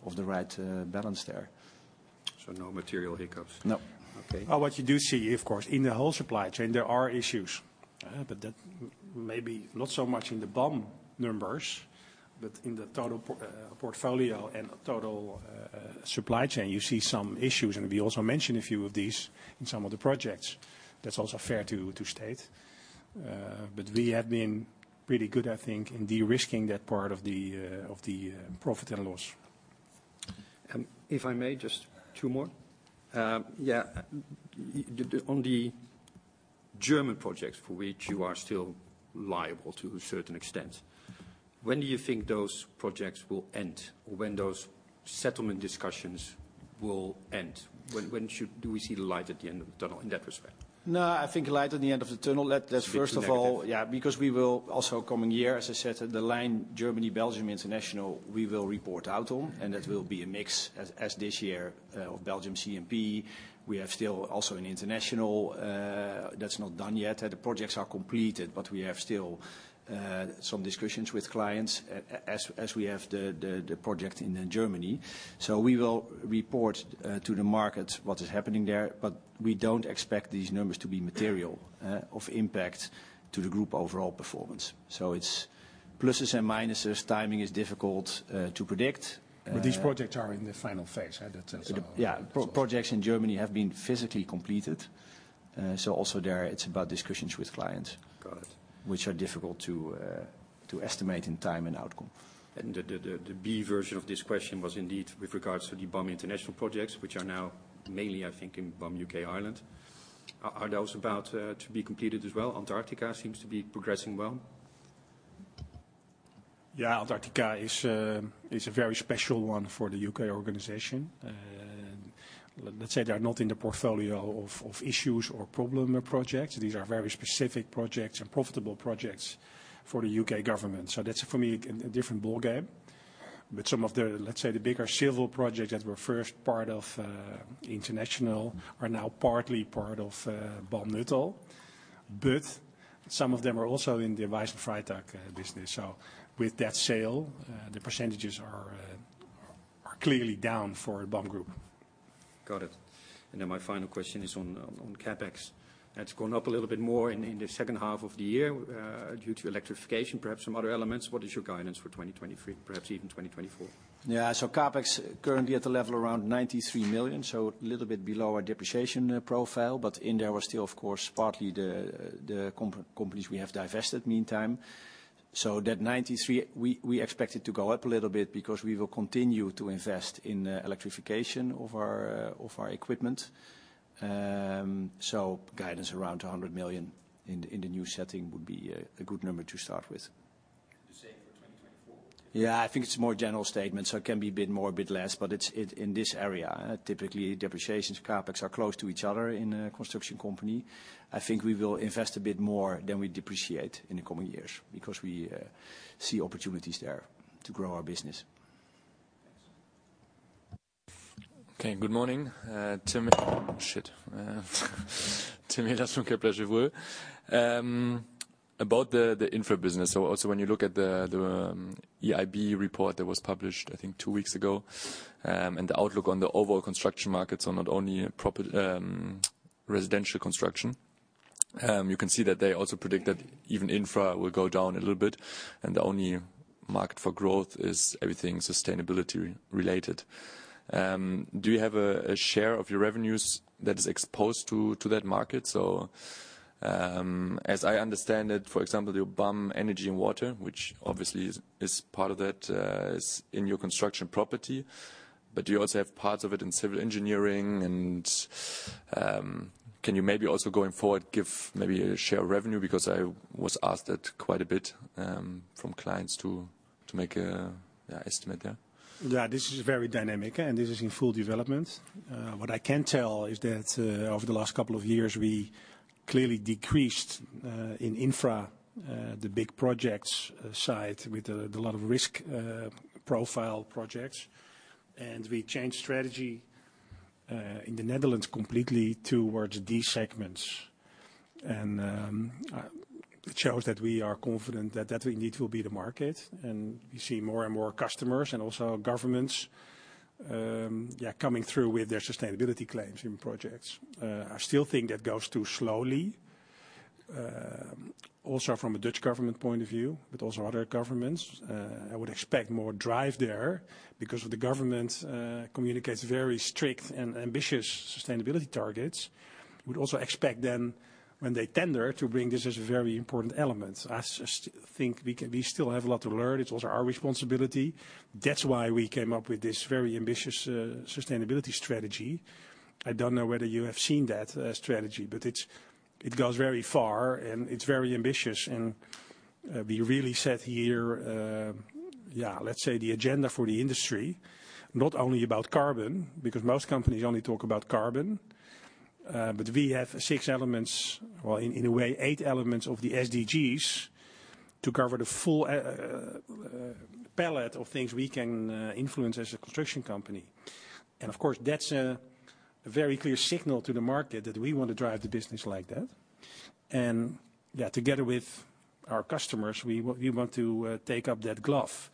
C: of the right balance there.
F: No material hiccups?
C: No.
F: Okay.
B: Well, what you do see, of course, in the whole supply chain, there are issues. That maybe not so much in the BAM numbers, in the total portfolio and total supply chain, you see some issues, and we also mentioned a few of these in some of the projects. That's also fair to state. We have been pretty good, I think, in de-risking that part of the profit and loss.
F: If I may, just two more. On the German projects for which you are still liable to a certain extent, when do you think those projects will end, or when those settlement discussions will end? Do we see the light at the end of the tunnel in that respect?
C: No, I think a light at the end of the tunnel.
F: Is a bit too negative.
C: First of all, yeah. We will also coming year, as I said, the line Germany, Belgium, International, we will report out on, and that will be a mix as this year, of Belgium CMP. We have still also in International, that's not done yet. The projects are completed, we have still some discussions with clients as we have the project in Germany. We will report to the market what is happening there, we don't expect these numbers to be material of impact to the group overall performance. It's pluses and minuses. Timing is difficult to predict.
F: These projects are in the final phase, right?
C: Yeah. Projects in Germany have been physically completed. also there it's about discussions with clients...
F: Got it.
C: ...which are difficult to estimate in time and outcome.
F: The B version of this question was indeed with regards to the BAM International projects, which are now mainly, I think, in BAM U.K. & Ireland. Are those about to be completed as well? Antarctica seems to be progressing well.
B: Antarctica is a very special one for the U.K. organization. Let's say they are not in the portfolio of issues or problem projects. These are very specific projects and profitable projects for the U.K. government. That's, for me, a different ballgame. Some of the, let's say, the bigger civil projects that were first part of International are now partly part of BAM Nuttall, but some of them are also in the Wayss & Freytag business. With that sale, the percentages are clearly down for BAM Group.
F: Got it. Then my final question is on CapEx. That's gone up a little bit more in the second half of the year, due to electrification, perhaps some other elements. What is your guidance for 2023, perhaps even 2024?
C: CapEx currently at a level around 93 million, so a little bit below our depreciation profile. In there we're still, of course, partly the companies we have divested meantime. That 93 million, we expect it to go up a little bit because we will continue to invest in electrification of our equipment. Guidance around 100 million in the new setting would be a good number to start with.
F: The same for 2024?
C: Yeah. I think it's a more general statement, so it can be a bit more, a bit less, but it's in this area. Typically, depreciations, CapEx are close to each other in a construction company. I think we will invest a bit more than we depreciate in the coming years because we see opportunities there to grow our business.
F: Thanks.
G: Okay. Good morning. Shit. Tim Eilers from Kepler Cheuvreux. About the infra business, also when you look at the EIB report that was published, I think 2 weeks ago, and the outlook on the overall construction markets on not only proper residential construction, you can see that they also predict that even infra will go down a little bit, and the only market for growth is everything sustainability related. Do you have a share of your revenues that is exposed to that market? As I understand it, for example, your BAM Energy & Water, which obviously is part of that, is in your construction property, but you also have parts of it in civil engineering. Can you maybe also going forward give maybe a share of revenue? I was asked that quite a bit from clients to make a, yeah, estimate, yeah?
B: Yeah, this is very dynamic, this is in full development. What I can tell is that over the last couple of years, we clearly decreased in infra the big projects side with the lot of risk profile projects. We changed strategy in the Netherlands completely towards these segments. It shows that we are confident that that indeed will be the market. We see more and more customers and also governments, yeah, coming through with their sustainability claims in projects. I still think that goes too slowly, also from a Dutch government point of view, also other governments. I would expect more drive there because when the government communicates very strict and ambitious sustainability targets, would also expect then when they tender to bring this as a very important element. I think we still have a lot to learn. It's also our responsibility. That's why we came up with this very ambitious sustainability strategy. I don't know whether you have seen that strategy, but it's, it goes very far, and it's very ambitious. We really set here, let's say the agenda for the industry, not only about carbon, because most companies only talk about carbon. We have six elements, or in a way, eight elements of the SDGs to cover the full palette of things we can influence as a construction company. Of course, that's a very clear signal to the market that we want to drive the business like that. Together with our customers, we want to take up that glove.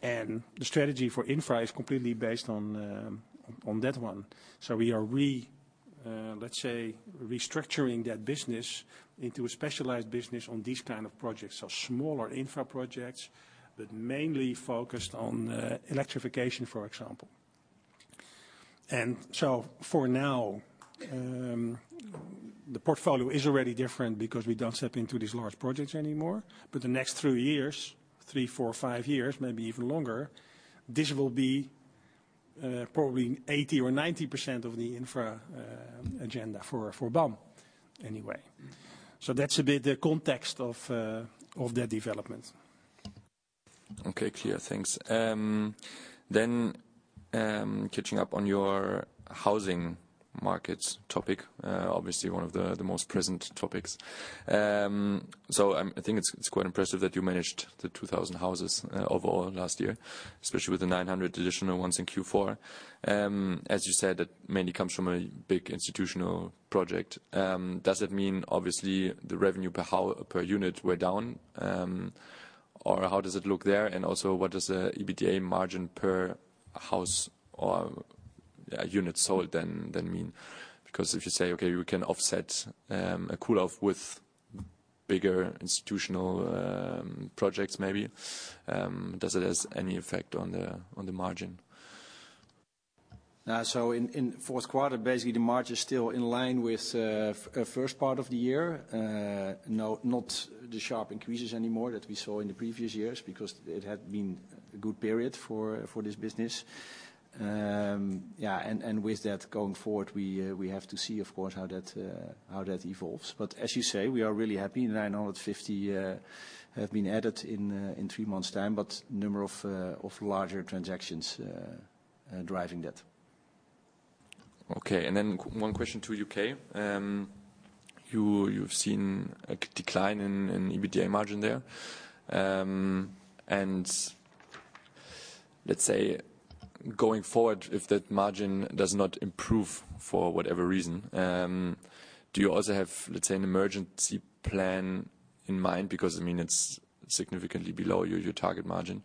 B: The strategy for Infra is completely based on that one. We are restructuring that business into a specialized business on these kind of projects. Smaller Infra projects, but mainly focused on electrification, for example. For now, the portfolio is already different because we don't step into these large projects anymore. The next three years, three, four, five years, maybe even longer, this will be probably 80% or 90% of the Infra agenda for BAM anyway. That's a bit the context of that development.
G: Okay, clear. Thanks. Catching up on your housing markets topic, obviously one of the most present topics. I think it's quite impressive that you managed the 2,000 houses overall last year, especially with the 900 additional ones in Q4. As you said, that mainly comes from a big institutional project. Does it mean, obviously, the revenue per unit were down? Or how does it look there? What does the EBITDA margin per house or unit sold then mean? If you say, okay, we can offset a cool-off with bigger institutional projects maybe, does it has any effect on the margin?
B: In fourth quarter, basically, the margin is still in line with first part of the year. Not the sharp increases anymore that we saw in the previous years because it had been a good period for this business. Yeah, with that going forward, we have to see, of course, how that evolves. As you say, we are really happy, 950 have been added in 3 months' time, but number of larger transactions driving that.
G: Okay. One question to U.K. You've seen a decline in EBITDA margin there. Let's say going forward, if that margin does not improve for whatever reason, do you also have, let's say, an emergency plan in mind? I mean, it's significantly below your target margin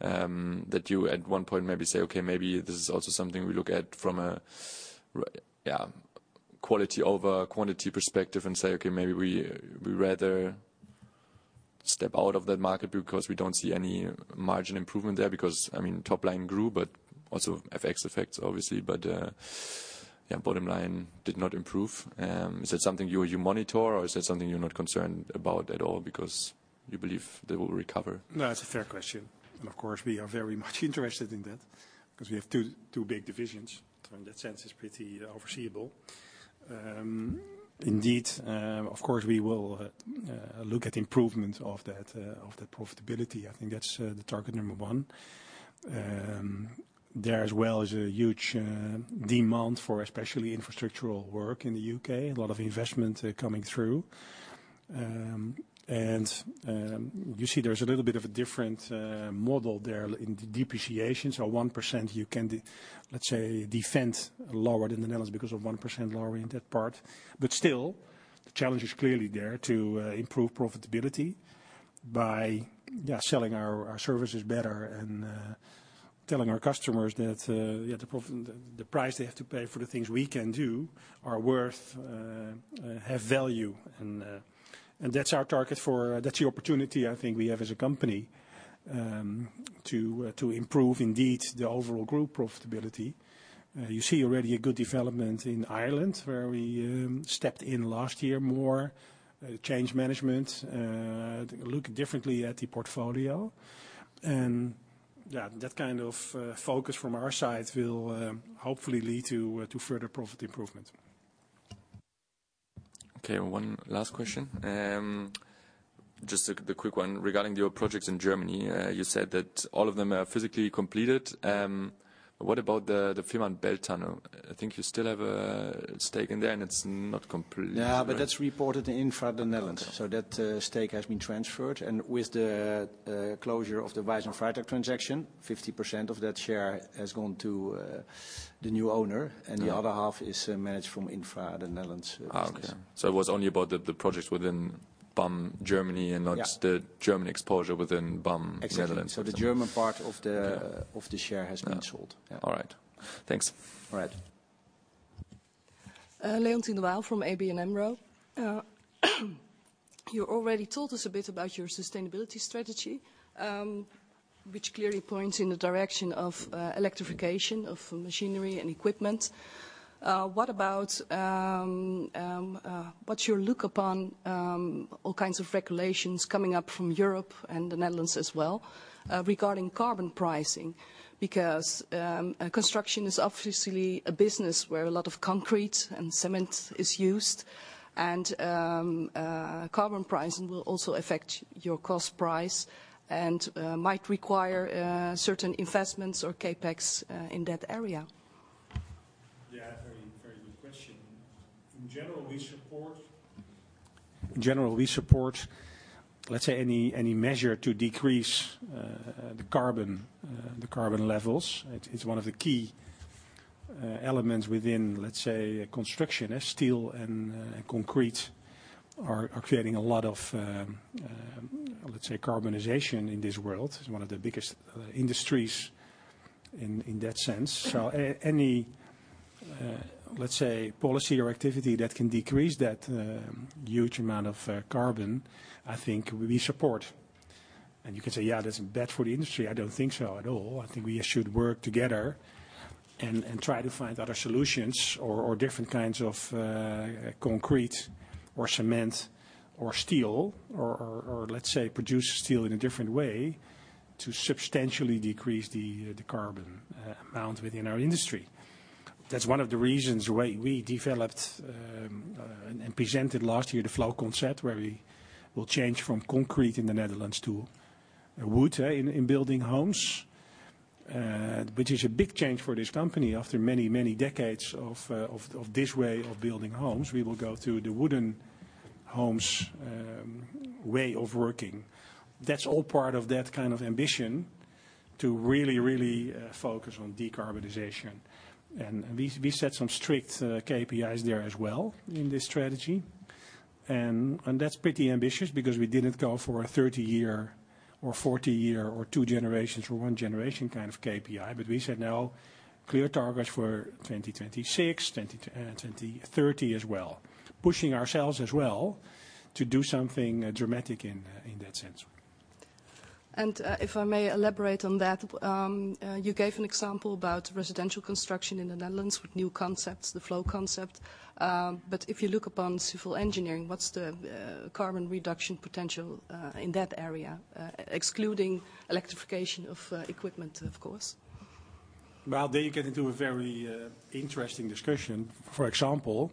G: that you at one point maybe say, "Okay, maybe this is also something we look at from a, yeah, quality over quantity perspective," and say, "Okay, maybe we rather step out of that market because we don't see any margin improvement there." I mean, top line grew, but also FX effects, obviously. Yeah, bottom line did not improve. Is that something you monitor, or is that something you're not concerned about at all because you believe they will recover?
B: No, it's a fair question. Of course, we are very much interested in that because we have two big divisions. In that sense, it's pretty foreseeable. Indeed, of course, we will look at improvements of that profitability. I think that's the target number one. There as well is a huge demand for especially infrastructural work in the U.K., a lot of investment coming through. You see there's a little bit of a different model there in the depreciation. 1% you can defend lower than the Netherlands because of 1% lower in that part. Still, the challenge is clearly there to improve profitability by selling our services better and telling our customers that the price they have to pay for the things we can do are worth, have value. That's our target for. That's the opportunity I think we have as a company to improve indeed the overall group profitability. You see already a good development in Ireland, where we stepped in last year, more change management, look differently at the portfolio. That kind of focus from our side will hopefully lead to further profit improvement.
G: Okay, one last question. Just a quick one. Regarding your projects in Germany, you said that all of them are physically completed. What about the Fehmarnbelt Tunnel? I think you still have a stake in there, and it's not complete.
C: Yeah, that's reported in Infra the Netherlands. That stake has been transferred. With the closure of the Wijzonol transaction, 50% of that share has gone to the new owner.
G: Yeah.
C: The other half is managed from Infra the Netherlands' services.
G: Oh, okay. It was only about the projects within BAM Germany and not.
C: Yeah
G: the German exposure within BAM Netherlands.
C: Exactly. the German part of the-.
G: Okay...
C: of the share has been sold.
G: All right. Thanks.
C: All right.
H: Leontine Waal from ABN AMRO. You already told us a bit about your sustainability strategy, which clearly points in the direction of electrification of machinery and equipment. What's your look upon all kinds of regulations coming up from Europe and the Netherlands as well, regarding carbon pricing? Construction is obviously a business where a lot of concrete and cement is used. Carbon pricing will also affect your cost price and might require certain investments or CapEx in that area.
B: Yeah, very good question. In general, we support, let's say, any measure to decrease the carbon levels. It's one of the key elements within, let's say, construction. As steel and concrete are creating a lot of, let's say, carbonization in this world. It's one of the biggest industries in that sense. Any, let's say, policy or activity that can decrease that huge amount of carbon, I think we support. You can say, "Yeah, that's bad for the industry." I don't think so at all. I think we should work together and try to find other solutions or different kinds of concrete or cement or steel or let's say produce steel in a different way to substantially decrease the carbon amount within our industry. That's one of the reasons why we developed and presented last year the Flow concept, where we will change from concrete in the Netherlands to wood in building homes. Which is a big change for this company after many, many decades of this way of building homes. We will go to the wooden homes way of working. That's all part of that kind of ambition to really focus on decarbonization. We set some strict KPIs there as well in this strategy. That's pretty ambitious because we didn't go for a 30-year or 40-year or 2 generations or 1 generation kind of KPI. We said, no, clear targets for 2026, 2030 as well. Pushing ourselves as well to do something dramatic in that sense.
H: If I may elaborate on that. You gave an example about residential construction in the Netherlands with new concepts, the Flow concept. If you look upon civil engineering, what's the carbon reduction potential in that area, excluding electrification of equipment, of course?
B: There you get into a very interesting discussion. For example,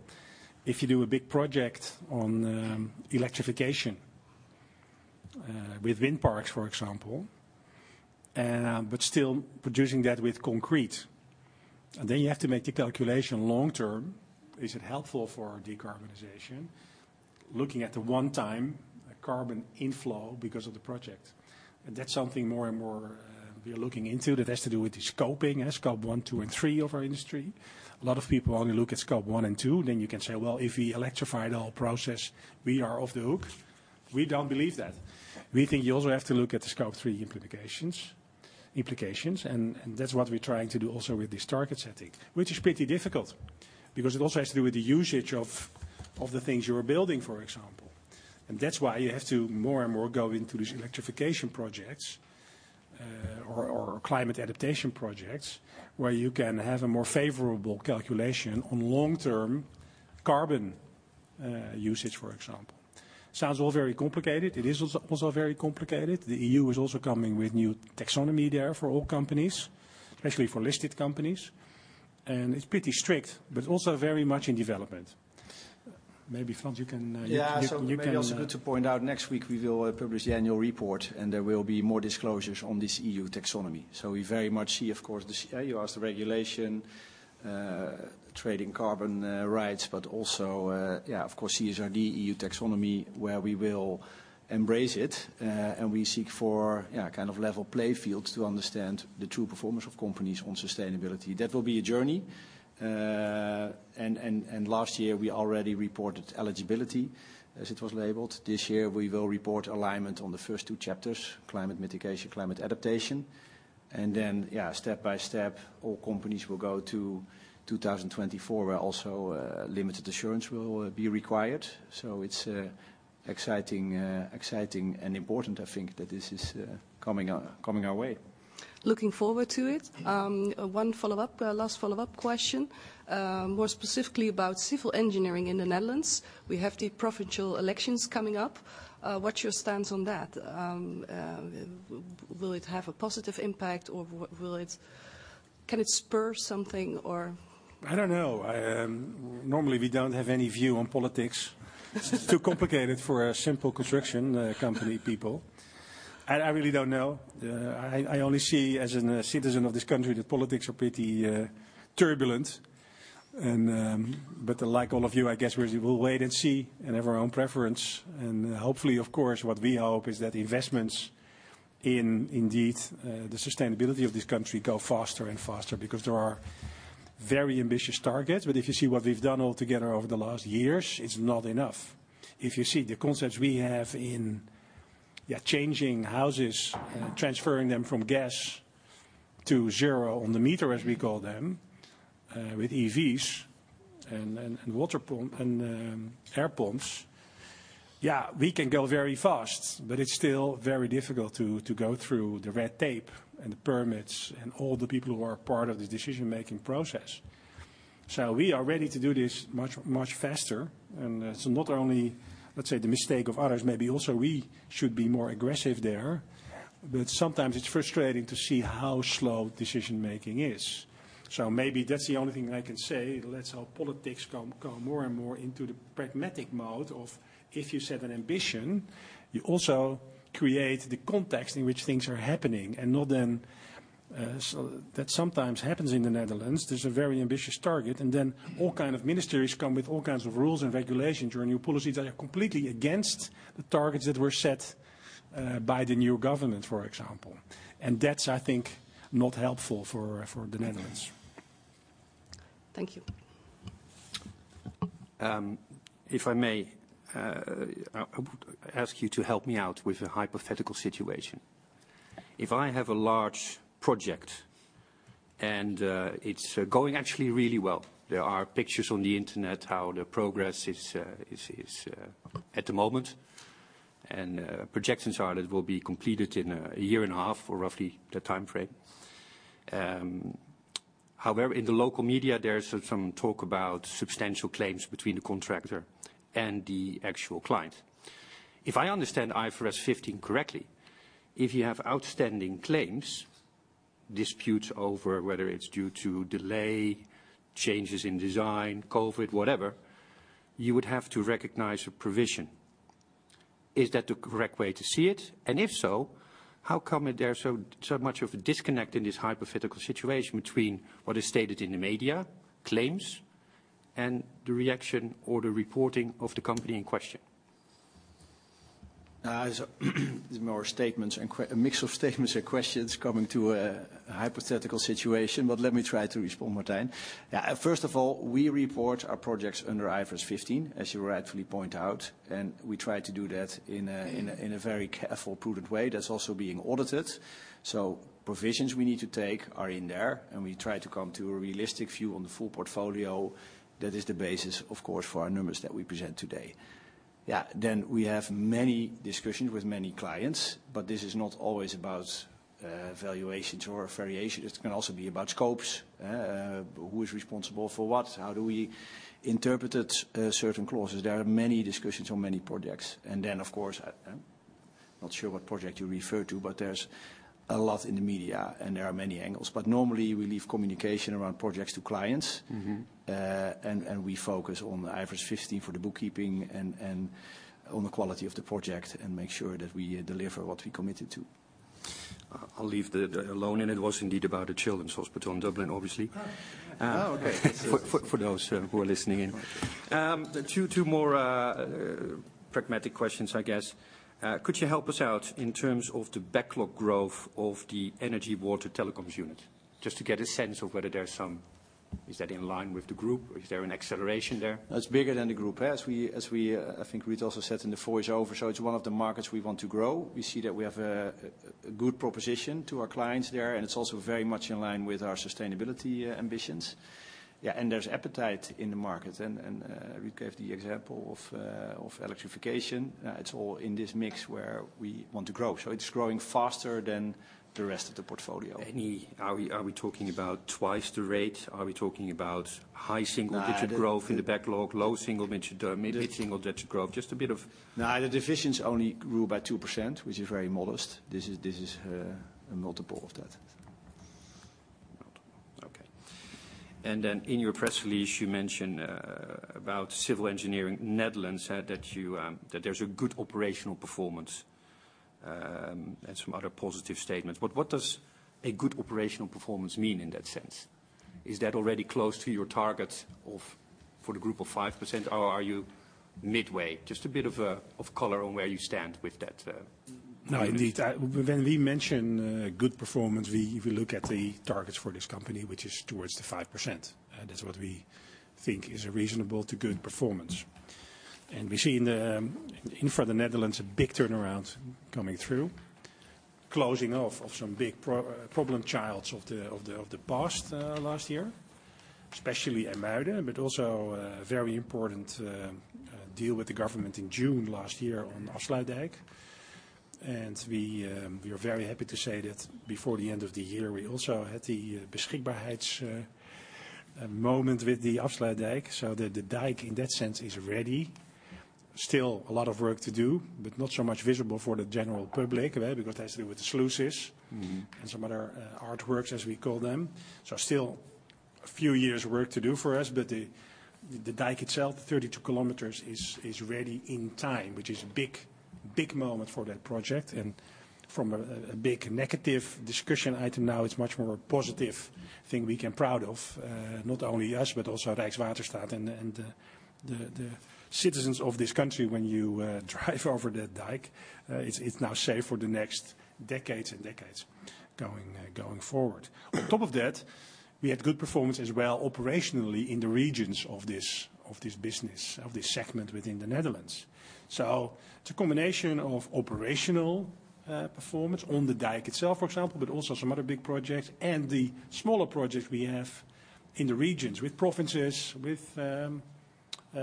B: if you do a big project on electrification, with wind parks, for example, but still producing that with concrete. You have to make the calculation long term, is it helpful for decarbonization, looking at the one time carbon inflow because of the project? That's something more and more we are looking into that has to do with the scoping, Scope 1, 2, and 3 of our industry. A lot of people only look at Scope 1 and 2, then you can say, "Well, if we electrified our process, we are off the hook." We don't believe that. We think you also have to look at the Scope 3 implications, and that's what we're trying to do also with this target setting. Which is pretty difficult, because it also has to do with the usage of the things you are building, for example. That's why you have to more and more go into these electrification projects, or climate adaptation projects, where you can have a more favorable calculation on long-term carbon usage, for example. Sounds all very complicated. It is also very complicated. The EU is also coming with new taxonomy there for all companies, especially for listed companies, and it's pretty strict, but also very much in development. Maybe, Frans, you can.
C: Maybe also good to point out, next week we will publish the annual report, and there will be more disclosures on this EU taxonomy. We very much see, of course, You asked the regulation, trading carbon rights, but also, yeah, of course, CSRD, EU taxonomy, where we will embrace it. We seek for, yeah, kind of level play fields to understand the true performance of companies on sustainability. That will be a journey. Last year, we already reported eligibility, as it was labeled. This year, we will report alignment on the first two chapters, climate mitigation, climate adaptation. Yeah, step by step, all companies will go to 2024, where also limited assurance will be required. It's exciting and important, I think, that this is coming our way.
H: Looking forward to it.
B: Yeah.
H: One follow-up, last follow up question, more specifically about civil engineering in the Netherlands. We have the provincial elections coming up. What's your stance on that? Will it have a positive impact or will it. Can it spur something or-
B: I don't know. I normally we don't have any view on politics. It's too complicated for a simple construction, company people. I really don't know. I only see as an citizen of this country that politics are pretty turbulent and, but like all of you, I guess we'll wait and see and have our own preference. Hopefully, of course, what we hope is that investments in indeed, the sustainability of this country go faster and faster because there are very ambitious targets. If you see what we've done altogether over the last years, it's not enough. If you see the concepts we have in, yeah, changing houses, transferring them from gas to zero on the meter, as we call them, with EVs and water pump and air pumps, yeah, we can go very fast. It's still very difficult to go through the red tape and the permits and all the people who are part of the decision-making process. We are ready to do this much faster. It's not only, let's say, the mistake of others, maybe also we should be more aggressive there. Sometimes it's frustrating to see how slow decision-making is. Maybe that's the only thing I can say. Let's hope politics come more and more into the pragmatic mode of, if you set an ambition, you also create the context in which things are happening and not then. That sometimes happens in the Netherlands. There's a very ambitious target, and then all kind of ministries come with all kinds of rules and regulations or new policies that are completely against the targets that were set by the new government, for example. That's, I think, not helpful for the Netherlands.
H: Thank you.
D: If I may, I would ask you to help me out with a hypothetical situation. If I have a large project and it's going actually really well, there are pictures on the internet how the progress is at the moment, and projections are that will be completed in a year and a half or roughly that timeframe. However, in the local media, there's some talk about substantial claims between the contractor and the actual client. If I understand IFRS 15 correctly, if you have outstanding claims, disputes over whether it's due to delay, changes in design, COVID, whatever, you would have to recognize a provision. Is that the correct way to see it? If so, how come there's so much of a disconnect in this hypothetical situation between what is stated in the media claims and the reaction or the reporting of the company in question?
B: It's more statements and a mix of statements and questions coming to a hypothetical situation, let me try to respond, Martijn. First of all, we report our projects under IFRS 15, as you rightfully point out, we try to do that in a very careful, prudent way that's also being audited. Provisions we need to take are in there, we try to come to a realistic view on the full portfolio. That is the basis, of course, for our numbers that we present today. We have many discussions with many clients, this is not always about valuations or variation. It can also be about scopes, who is responsible for what, how do we interpret it, certain clauses. There are many discussions on many projects. Then, of course, not sure what project you refer to, but there's a lot in the media, and there are many angles. Normally, we leave communication around projects to clients.
D: Mm-hmm.
B: We focus on IFRS 15 for the bookkeeping and on the quality of the project and make sure that we deliver what we committed to.
D: I'll leave that alone, and it was indeed about the Children's Hospital in Dublin, obviously.
B: Oh. Oh, okay.
D: For those who are listening in. two more pragmatic questions, I guess. Could you help us out in terms of the backlog growth of the energy water telecoms unit? Is that in line with the group? Is there an acceleration there?
B: That's bigger than the group. As we, I think Ruud also said in the voice over, so it's one of the markets we want to grow. We see that we have a good proposition to our clients there, and it's also very much in line with our sustainability ambitions. Yeah, there's appetite in the market, and Ruud gave the example of electrification. It's all in this mix where we want to grow. So it's growing faster than the rest of the portfolio.
D: Are we talking about twice the rate? Are we talking about high single-digit growth in the backlog? Low single-digit or mid-single-digit growth?
B: No, the divisions only grew by 2%, which is very modest. This is a multiple of that.
D: Okay. In your press release, you mentioned about civil engineering Netherlands, that you, that there's a good operational performance, and some other positive statements. What does a good operational performance mean in that sense? Is that already close to your target of, for the group of 5%, or are you midway? Just a bit of color on where you stand with that plan.
B: No, indeed. When we mention good performance, we look at the targets for this company, which is towards the 5%. That's what we think is a reasonable to good performance. We see in the Infra Netherlands, a big turnaround coming through, closing off of some big problem childs of the past, last year, especially IJmuiden, but also a very important deal with the government in June last year on Afsluitdijk. We are very happy to say that before the end of the year, we also had the beschikbaarheid moment with the Afsluitdijk, so the dike in that sense is ready. Still a lot of work to do, but not so much visible for the general public, right? Because that's with the sluices.
D: Mm-hmm...
B: and some other artworks, as we call them. Still a few years work to do for us, but the dike itself, 32 km is ready in time, which is big, big moment for that project. From a big negative discussion item, now it's much more positive thing we can proud of. Not only us, but also Rijkswaterstaat and the citizens of this country when you drive over the dike. It's, it's now safe for the next decades and decades going forward. On top of that, we had good performance as well operationally in the regions of this, of this business, of this segment within the Netherlands. It's a combination of operational performance on the dike itself, for example, but also some other big projects. The smaller projects we have in the regions with provinces, with all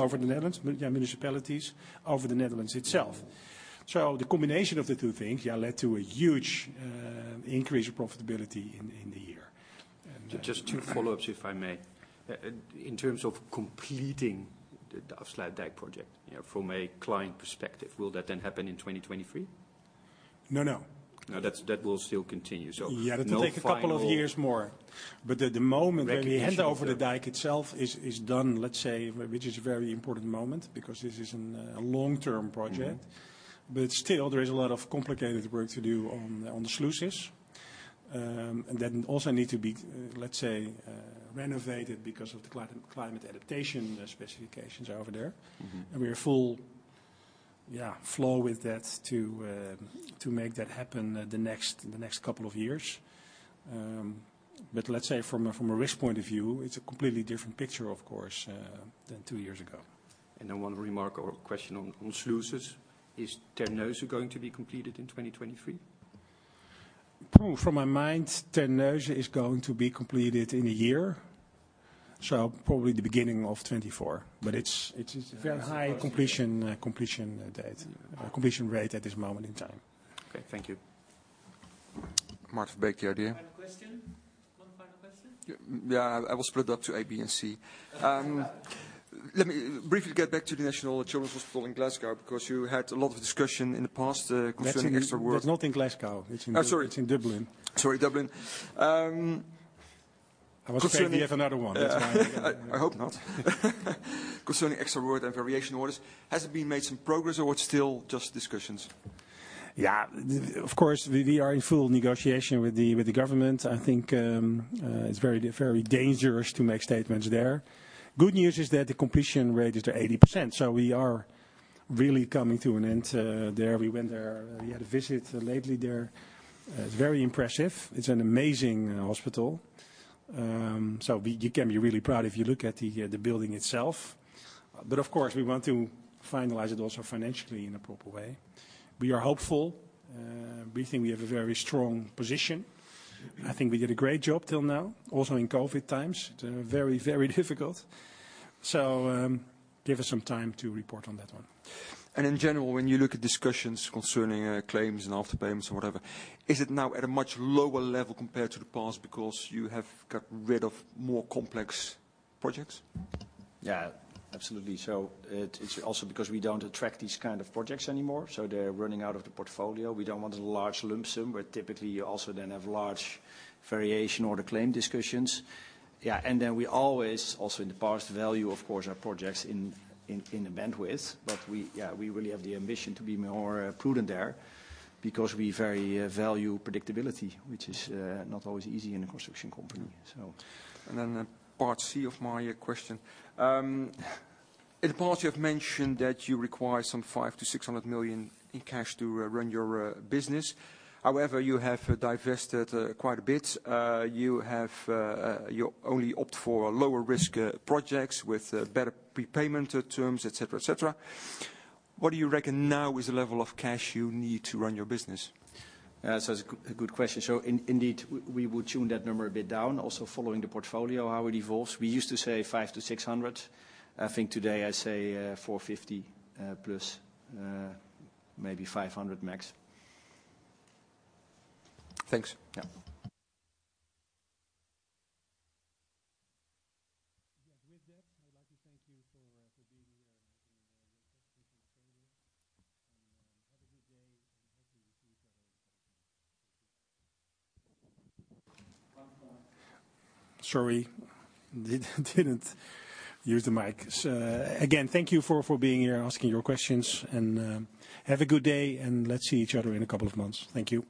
B: over the Netherlands, yeah, municipalities, over the Netherlands itself. The combination of the two things, yeah, led to a huge increase in profitability in the year.
D: Just two follow ups if I may. In terms of completing the Afsluitdijk project, you know, from a client perspective, will that then happen in 2023?
B: No, no.
D: No, that's, that will still continue.
B: Yeah, that will take a couple of years more. At the moment when we hand over the dike itself is done, let's say, which is a long-term project.
D: Mm-hmm.
B: Still there is a lot of complicated work to do on the sluices. Then also need to be, let's say, renovated because of the climate adaptation specifications over there.
D: Mm-hmm.
B: We are full floor with that to make that happen the next couple of years. Let's say from a risk point of view, it's a completely different picture of course, than two years ago.
D: One remark or question on sluices. Is Terneuzen going to be completed in 2023?
B: From my mind, Terneuzen is going to be completed in a year. Probably the beginning of 2024. It's very high completion date, completion rate at this moment in time.
D: Okay. Thank you.
F: Maarten Verbeek, Idea.
A: One final question? One final question.
F: I will split it up to A, B and C. Let me briefly get back to the National Children's Hospital in Glasgow because you had a lot of discussion in the past, concerning extra work.
B: That's not in Glasgow.
F: Oh, sorry.
B: It's in Dublin.
F: Sorry, Dublin.
B: I was afraid we have another one. That's why
F: I hope not. Concerning extra work and variation orders, has it been made some progress or it's still just discussions?
B: Of course, we are in full negotiation with the government. I think it's very, very dangerous to make statements there. Good news is that the completion rate is at 80%, so we are really coming to an end there. We went there. We had a visit lately there. It's very impressive. It's an amazing hospital. You can be really proud if you look at the building itself. Of course, we want to finalize it also financially in a proper way. We are hopeful. We think we have a very strong position. I think we did a great job till now, also in COVID times. It's very, very difficult. Give us some time to report on that one.
F: In general, when you look at discussions concerning claims and after payments or whatever, is it now at a much lower level compared to the past because you have got rid of more complex projects?
B: Yeah, absolutely. It's also because we don't attract these kind of projects anymore, so they're running out of the portfolio. We don't want a large lump sum where typically you also then have large variation or the claim discussions. Yeah, we always, also in the past, value of course our projects in the bandwidth. We, yeah, we really have the ambition to be more prudent there because we very value predictability, which is not always easy in a construction company.
F: Part C of my question. In the past you have mentioned that you require some 500 million-600 million in cash to run your business. You have divested quite a bit. You only opt for lower risk projects with better prepayment terms, et cetera, et cetera. What do you reckon now is the level of cash you need to run your business?
B: It's a good question. Indeed, we will tune that number a bit down also following the portfolio, how it evolves. We used to say 500-600. I think today I say 450 plus, maybe 500 max.
F: Thanks.
B: Yeah.
A: Yeah. With that, I would like to thank you for for being here and have a good day. Hopefully we see each other in a couple of months. Thank you.
B: Sorry, didn't use the mic. Again, thank you for being here, asking your questions and have a good day, let's see each other in a couple of months. Thank you.